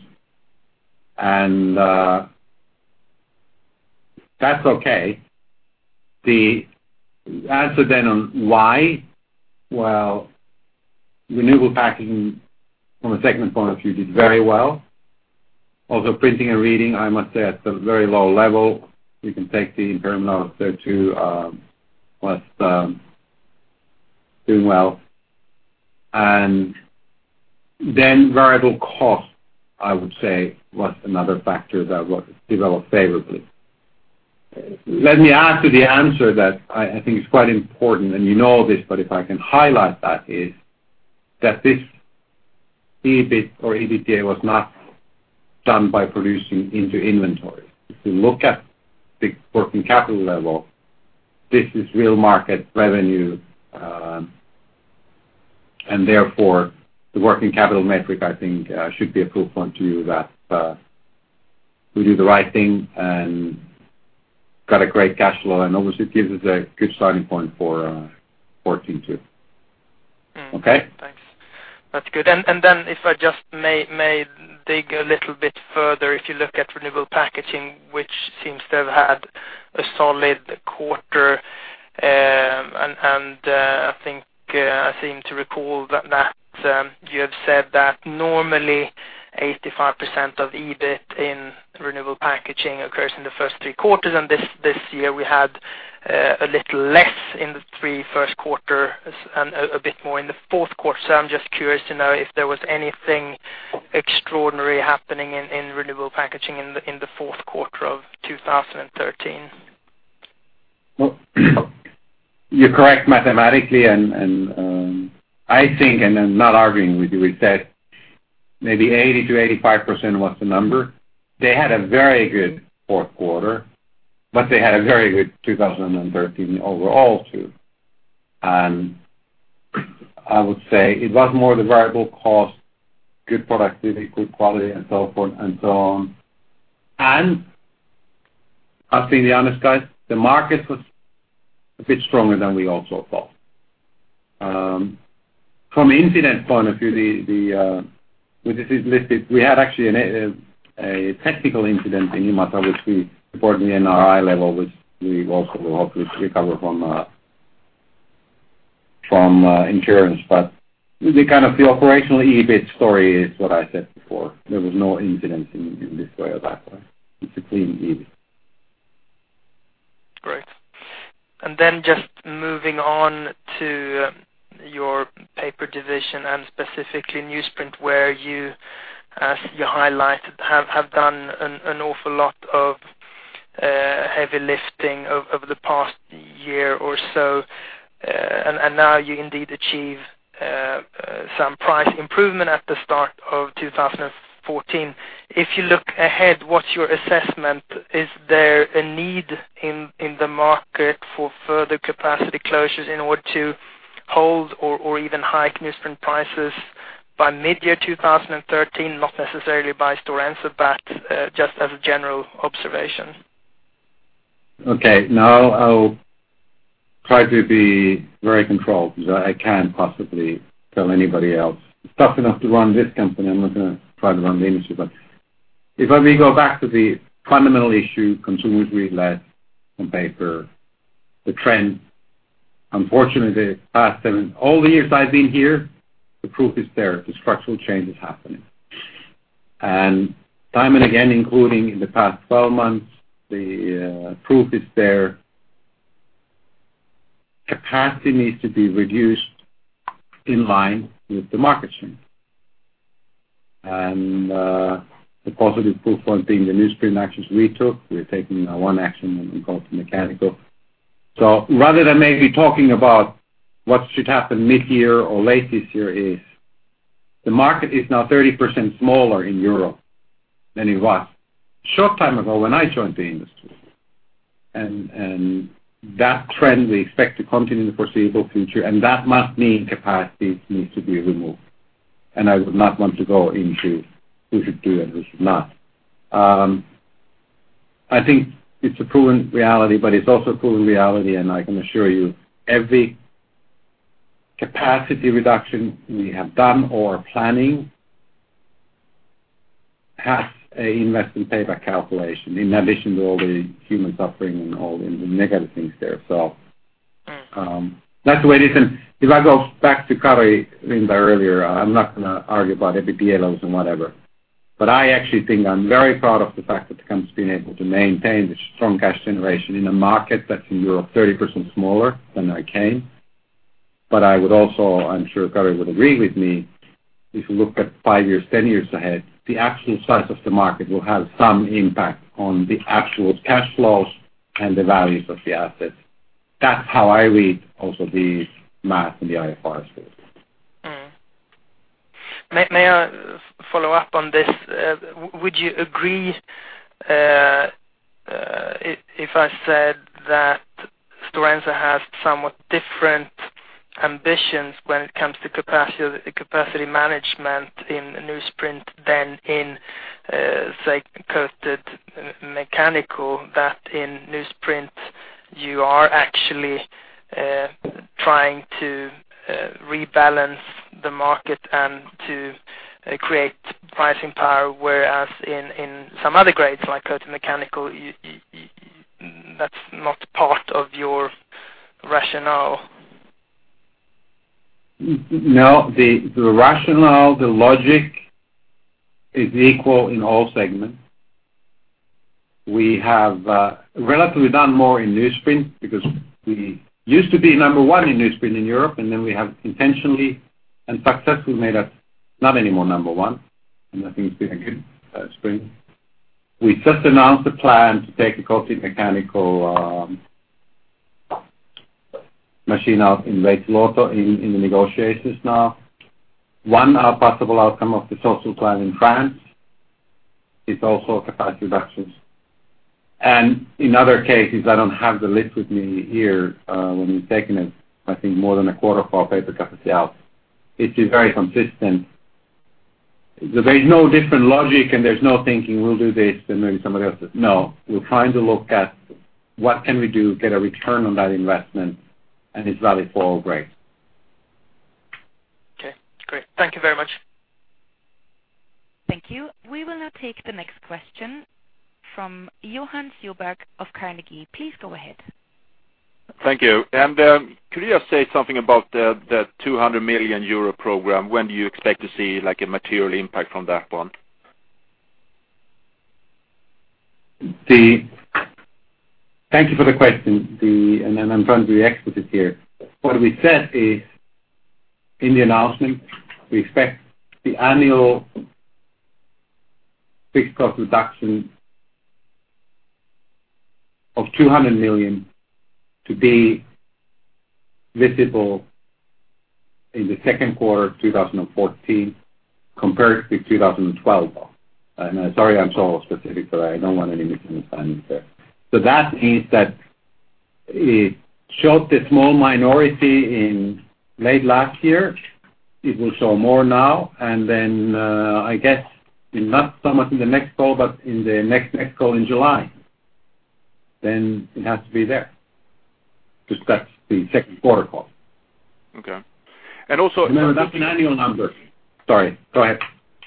That's okay. The answer on why, well, Renewable Packaging from a segment point of view did very well. Although Printing and Reading, I must say at a very low level, we can take the interim out, so too was doing well. Variable cost, I would say, was another factor that developed favorably. Let me add to the answer that I think is quite important, and you know this, but if I can highlight that is, that this EBIT or EBITDA was not done by producing into inventory. If you look at the working capital level, this is real market revenue. Therefore, the working capital metric I think should be a proof point to you that we do the right thing and got a great cash flow and obviously it gives us a good starting point for 2014 too. Okay? Thanks. That's good. If I just may dig a little bit further. If you look at Renewable Packaging, which seems to have had a solid quarter, and I think I seem to recall that you have said that normally 85% of EBIT in Renewable Packaging occurs in the first three quarters, and this year we had a little less in the three first quarters and a bit more in the fourth quarter. I'm just curious to know if there was anything extraordinary happening in Renewable Packaging in the fourth quarter of 2013. Well, you're correct mathematically, 80%-85% was the number. They had a very good fourth quarter, but they had a very good 2013 overall, too. I would say it was more the variable cost, good productivity, good quality, and so forth and so on. I've been honest, guys, the market was a bit stronger than we also thought. From incident point of view, this is listed. We had actually a technical incident in Imatra, which we reported in NRI level, which we also hopefully recover from insurance. The operational EBIT story is what I said before. There was no incident in this way or that way. It's a clean EBIT. Great. Then just moving on to your paper division and specifically newsprint, where you have done an awful lot of heavy lifting over the past year or so. Now you indeed achieve some price improvement at the start of 2014. If you look ahead, what's your assessment? Is there a need in the market for further capacity closures in order to hold or even hike newsprint prices by mid-year 2013? Not necessarily by Stora Enso, but just as a general observation. Okay. Now I will try to be very controlled because I can't possibly tell anybody else. It's tough enough to run this company. I'm not going to try to run the industry. If we go back to the fundamental issue, consumers read less on paper. The trend, unfortunately, all the years I've been here, the proof is there. The structural change is happening. Time and again, including in the past 12 months, the proof is there. Capacity needs to be reduced in line with the market share. The positive proof point being the newsprint actions we took. We're taking one action when we go to mechanical. Rather than maybe talking about what should happen mid-year or late this year is the market is now 30% smaller in Europe than it was short time ago when I joined the industry. That trend we expect to continue in the foreseeable future. That must mean capacity needs to be removed. I would not want to go into who should do and who should not. I think it's a proven reality, but it's also a proven reality, and I can assure you, every capacity reduction we have done or are planning has an investment payback calculation in addition to all the human suffering and all the negative things there. That's the way it is. If I go back to Kari earlier, I'm not going to argue about EBITDA levels and whatever, but I actually think I'm very proud of the fact that the company's been able to maintain the strong cash generation in a market that's in Europe, 30% smaller than I came. I would also, I'm sure Kari would agree with me, if you look at five years, 10 years ahead, the actual size of the market will have some impact on the actual cash flows and the values of the assets. That's how I read also the math and the IFRS rules. May I follow up on this? Would you agree if I said that Stora Enso has somewhat different ambitions when it comes to capacity management in newsprint than in, say, coated mechanical? That in newsprint you are actually trying to rebalance the market and to create pricing power, whereas in some other grades, like coated mechanical, that's not part of your rationale. The rationale, the logic, is equal in all segments. We have relatively done more in newsprint because we used to be number one in newsprint in Europe, and then we have intentionally and successfully made us not number one anymore, and I think it's been a good [newsprint]. We just announced a plan to take a coated mechanical machine out in late in the negotiations now. One possible outcome of the social plan in France is also capacity reductions. In other cases, I don't have the list with me here, when we've taken, I think, more than a quarter of our paper capacity out, it is very consistent. There's no different logic, and there's no thinking we'll do this, then maybe somebody else. We're trying to look at what can we do to get a return on that investment, and it's valid for all grades. Great. Thank you very much. Thank you. We will now take the next question from Johan Sjöberg of Carnegie. Please go ahead. Thank you. Could you just say something about the 200 million euro program? When do you expect to see a material impact from that one? Thank you for the question. I'm trying to be explicit here. What we said is, in the announcement, we expect the annual fixed cost reduction of 200 million to be visible in the second quarter of 2014 compared with 2012. Sorry, I'm so specific, but I don't want any misunderstandings there. That means that it showed a small minority in late last year. It will show more now, and then, I guess, not so much in the next call, but in the next call in July. Then it has to be there. Because that's the second quarter call. Okay. Also- Remember, that's an annual number. Sorry, go ahead.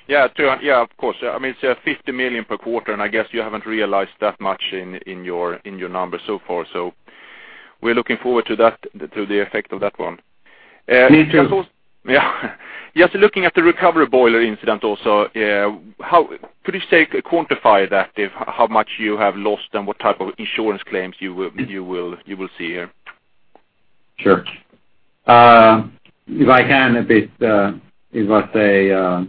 Yeah, of course. It's 50 million per quarter, I guess you haven't realized that much in your numbers so far. We're looking forward to the effect of that one. Me too. Yeah. Just looking at the recovery boiler incident also, could you quantify that, how much you have lost and what type of insurance claims you will see here? Sure. If I can a bit, it was a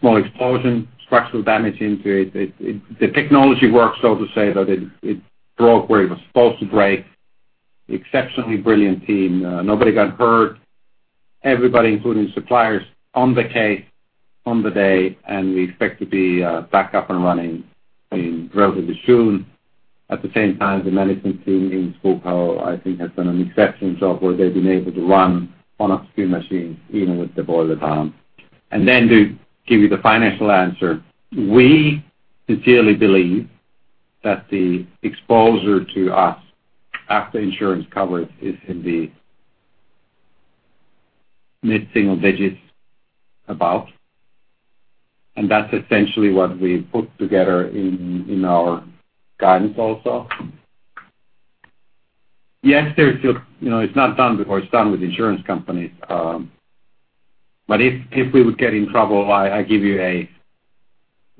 small explosion, structural damage into it. The technology works, so to say that it broke where it was supposed to break. Exceptionally brilliant team. Nobody got hurt. Everybody, including suppliers, on the case, on the day, we expect to be back up and running relatively soon. At the same time, the management team in Skoghall, I think, has done an exceptional job where they've been able to run on a few machines, even with the boiler down. To give you the financial answer, we sincerely believe that the exposure to us after insurance coverage is in the mid-single digits, about. That's essentially what we put together in our guidance also. Yes, it's not done before. It's done with insurance companies. If we would get in trouble, I give you a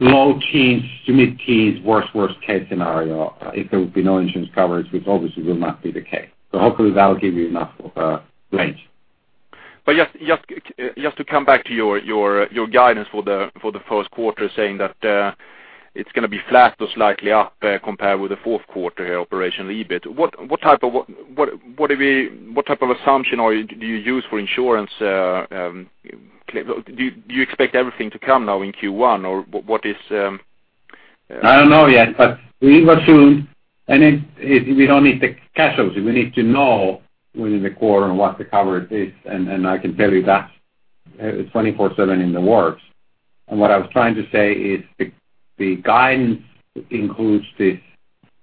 low teens to mid-teens worst case scenario, if there would be no insurance coverage, which obviously will not be the case. Hopefully that will give you enough of a range. Just to come back to your guidance for the first quarter, saying that it's going to be flat to slightly up compared with the fourth quarter here, operational EBIT. What type of assumption, or do you use for insurance? Do you expect everything to come now in Q1, or what is I don't know yet, but we will soon. We don't need the cash flows. We need to know within the quarter what the coverage is, I can tell you that it's 24/7 in the works. What I was trying to say is the guidance includes this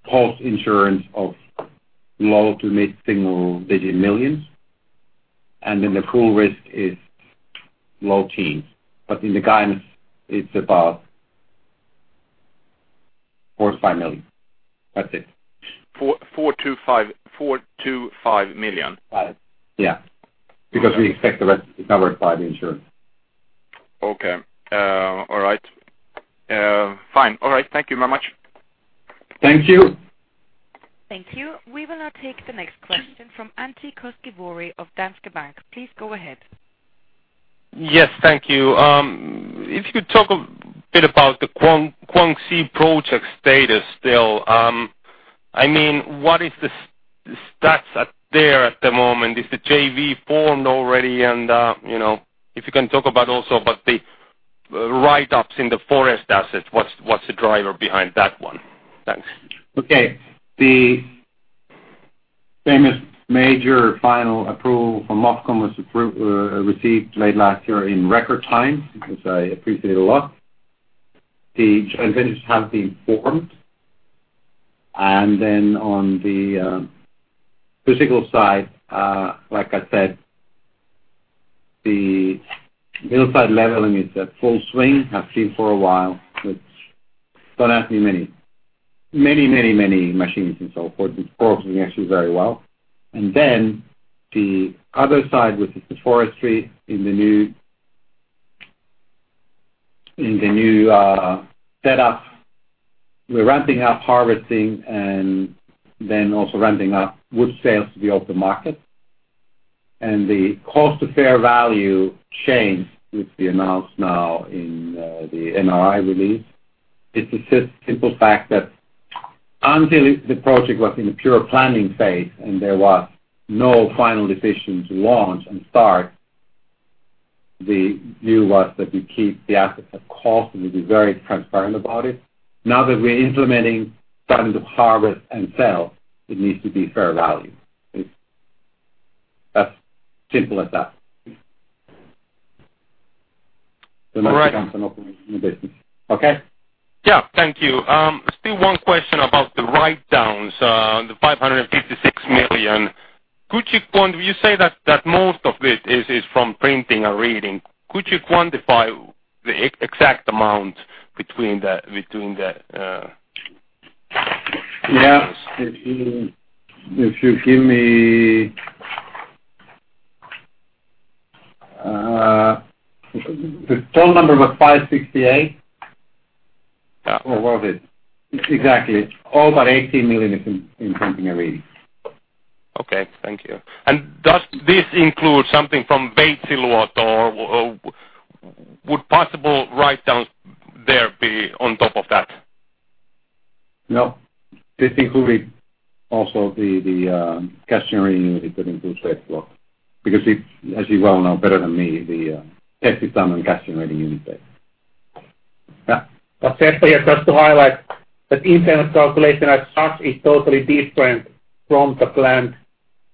post-insurance of EUR low to mid-single digit millions, the full risk is low teens. In the guidance, it's about 4 million-5 million. That's it. 4 million-5 million? Right. Yeah. Because we expect the rest is covered by the insurance. Okay. All right. Fine. All right. Thank you very much. Thank you. Thank you. We will now take the next question from Antti Koskimäki of Danske Bank. Please go ahead. Yes, thank you. If you could talk a bit about the Guangxi project status still What is the status there at the moment? Is the JV formed already? If you can talk about also about the write-ups in the forest assets, what's the driver behind that one? Thanks. Okay. The famous major final approval from MOFCOM was received late last year in record time, which I appreciate a lot. The joint ventures have been formed. Then on the physical side, like I said, the hillside leveling is at full swing, has been for a while. It's done actually many machines and so forth. It's working actually very well. Then the other side, which is the forestry in the new setup, we're ramping up harvesting and then also ramping up wood sales to the open market. The cost to fair value change, which we announce now in the NRI release. It's a simple fact that until the project was in the pure planning phase and there was no final decision to launch and start, the view was that we keep the assets at cost, and we'll be very transparent about it. Now that we're implementing plans of harvest and sell, it needs to be fair value. It's as simple as that. All right. in the business. Okay? Yeah. Thank you. Still one question about the write-downs, the 556 million. You say that most of it is from Printing and Reading. Could you quantify the exact amount between the- Yeah. If you give me the total number was 568? Yeah. Was it? Exactly. All but 18 million is in Printing and Reading. Okay. Thank you. Does this include something from Veitsiluoto or would possible write down there be on top of that? No. This includes also the cash generating unit, including Veitsiluoto. It, as you well know better than me, the test is done on cash generating unit base. Yeah. Seppo, just to highlight, that impairment calculation as such is totally different from the planned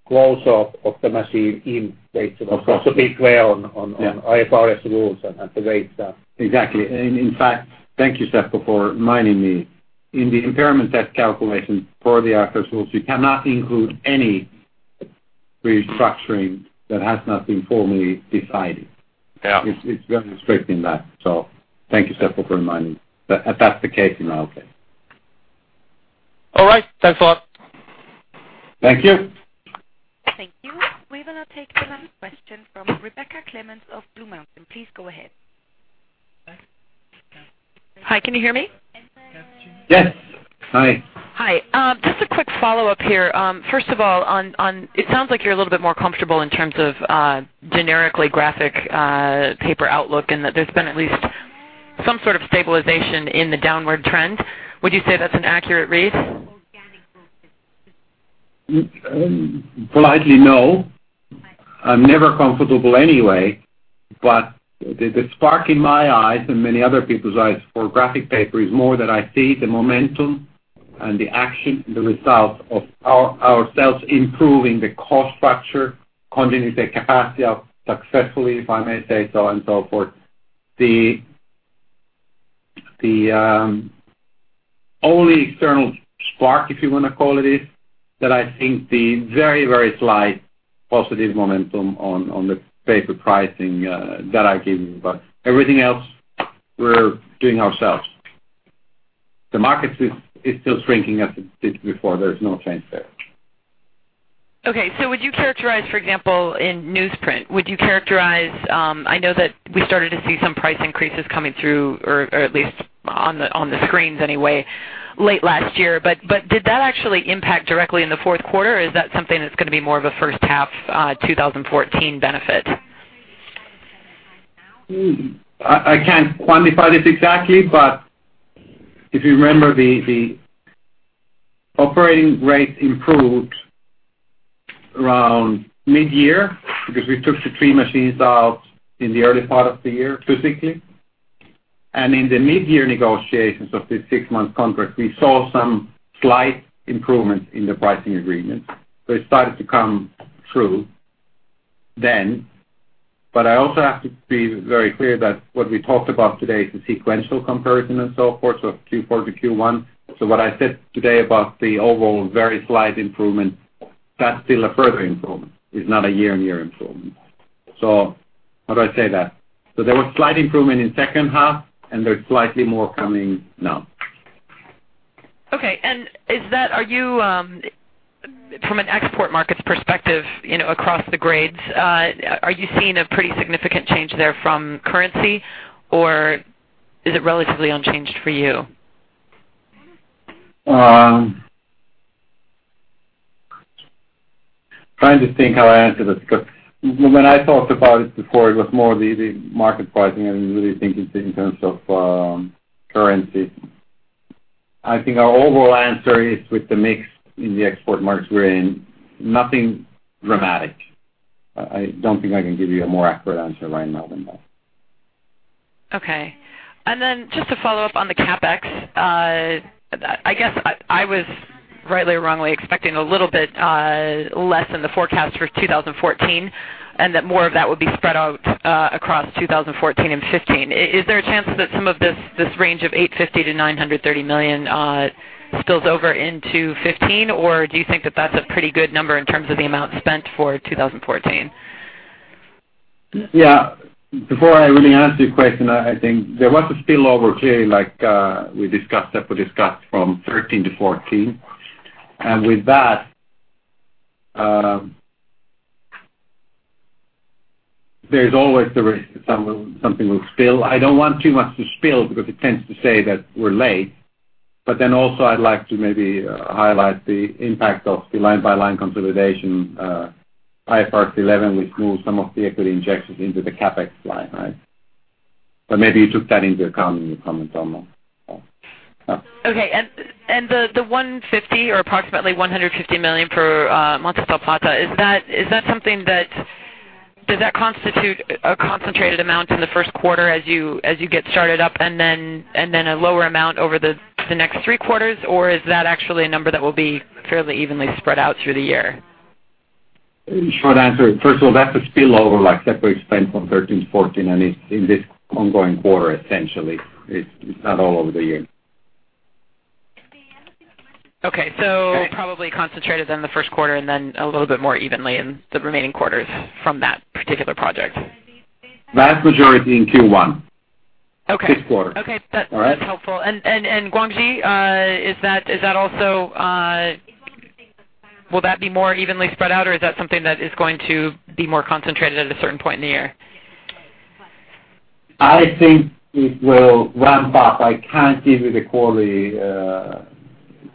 close of the machine in Veitsiluoto. Be clear on IFRS rules and the way it is done. Exactly. In fact, thank you, Seppo, for reminding me. In the impairment test calculation for the IFRS rules, you cannot include any restructuring that has not been formally decided. Yeah. It is very strict in that. Thank you, Seppo, for reminding me. That is the case in our case. All right. Thanks a lot. Thank you. Thank you. We will now take the last question from Rebecca Clements of Blue Mountain. Please go ahead. Hi, can you hear me? Yes. Hi. Hi. Just a quick follow-up here. First of all, it sounds like you're a little bit more comfortable in terms of generically graphic paper outlook, and that there's been at least some sort of stabilization in the downward trend. Would you say that's an accurate read? Gladly, no. I'm never comfortable anyway, but the spark in my eyes and many other people's eyes for graphic paper is more that I see the momentum and the action, the results of ourselves improving the cost structure, continuing to take capacity out successfully, if I may say so, and so forth. The only external spark, if you want to call it is, that I think the very, very slight positive momentum on the paper pricing that I give you. Everything else, we're doing ourselves. The market is still shrinking as it did before. There's no change there. Okay. Would you characterize, for example, in newsprint, I know that we started to see some price increases coming through or at least on the screens anyway, late last year. Did that actually impact directly in the fourth quarter, or is that something that's going to be more of a first half 2014 benefit? I can't quantify this exactly. If you remember, the operating rate improved around mid-year because we took the three machines out in the early part of the year, physically. In the mid-year negotiations of the six-month contract, we saw some slight improvement in the pricing agreement. It started to come through then. I also have to be very clear that what we talked about today is the sequential comparison and so forth, Q4 to Q1. What I said today about the overall very slight improvement, that's still a further improvement. It's not a year-on-year improvement. How do I say that? There was slight improvement in second half, and there's slightly more coming now. Okay. From an export markets perspective, across the grades, are you seeing a pretty significant change there from currency, or is it relatively unchanged for you? Trying to think how I answer this, because when I thought about it before, it was more the market pricing. I didn't really think it in terms of currency. I think our overall answer is with the mix in the export markets we're in, nothing dramatic. I don't think I can give you a more accurate answer right now than that. Okay. Just to follow up on the CapEx, I guess I was rightly or wrongly expecting a little bit less than the forecast for 2014, and that more of that would be spread out across 2014 and 2015. Is there a chance that some of this range of 850 million-930 million spills over into 2015? Or do you think that that's a pretty good number in terms of the amount spent for 2014? Yeah. Before I really answer your question, I think there was a spillover, clearly, like we discussed, that we discussed from 2013 to 2014. With that, there's always the risk that something will spill. I don't want too much to spill because it tends to say that we're late. Also I'd like to maybe highlight the impact of the line-by-line consolidation, IFRS 11, which moves some of the equity injections into the CapEx line. Maybe you took that into account in your comments almost. Yeah. Okay. The 150 million or approximately 150 million for Montes del Plata, does that constitute a concentrated amount in the first quarter as you get started up and then a lower amount over the next three quarters? Or is that actually a number that will be fairly evenly spread out through the year? Short answer. First of all, that's a spillover like Seppo explained from 2013 to 2014, and it's in this ongoing quarter, essentially. It's not all over the year. Okay. Probably concentrated in the first quarter and then a little bit more evenly in the remaining quarters from that particular project. Vast majority in Q1. Okay. This quarter. Okay. All right? That's helpful. Guangxi, will that be more evenly spread out, or is that something that is going to be more concentrated at a certain point in the year? I think it will ramp up. I can't give you the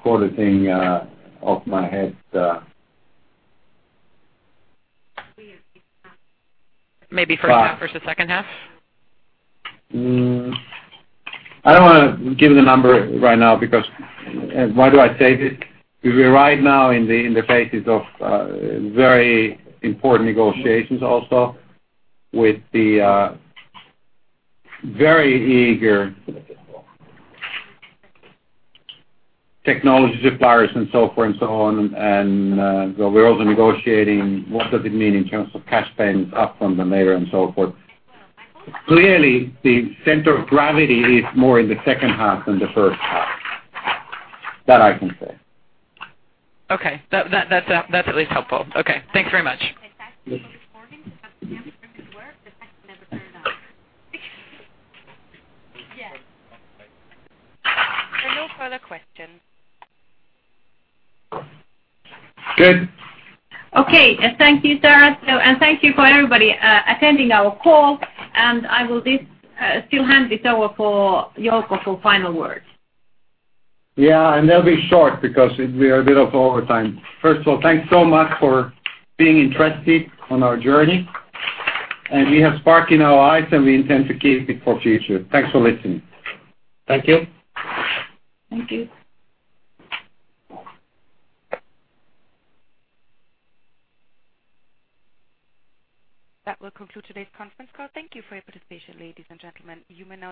quarter thing off my head. Maybe first half versus second half? I don't want to give the number right now because why do I say this? We're right now in the phases of very important negotiations also with the very eager technology suppliers and so forth and so on. We're also negotiating what does it mean in terms of cash payments up front and later and so forth. Clearly, the center of gravity is more in the second half than the first half. That I can say. Okay. That's at least helpful. Okay, thanks very much. There are no further questions. Good. Okay. Thank you, Sarah. Thank you for everybody attending our call. I will still hand this over for Jouko for final words. Yeah, they'll be short because we are a bit over time. First of all, thanks so much for being interested on our journey, and we have spark in our eyes, and we intend to keep it for future. Thanks for listening. Thank you. Thank you. That will conclude today's conference call. Thank you for your participation, ladies and gentlemen. You may now disconnect.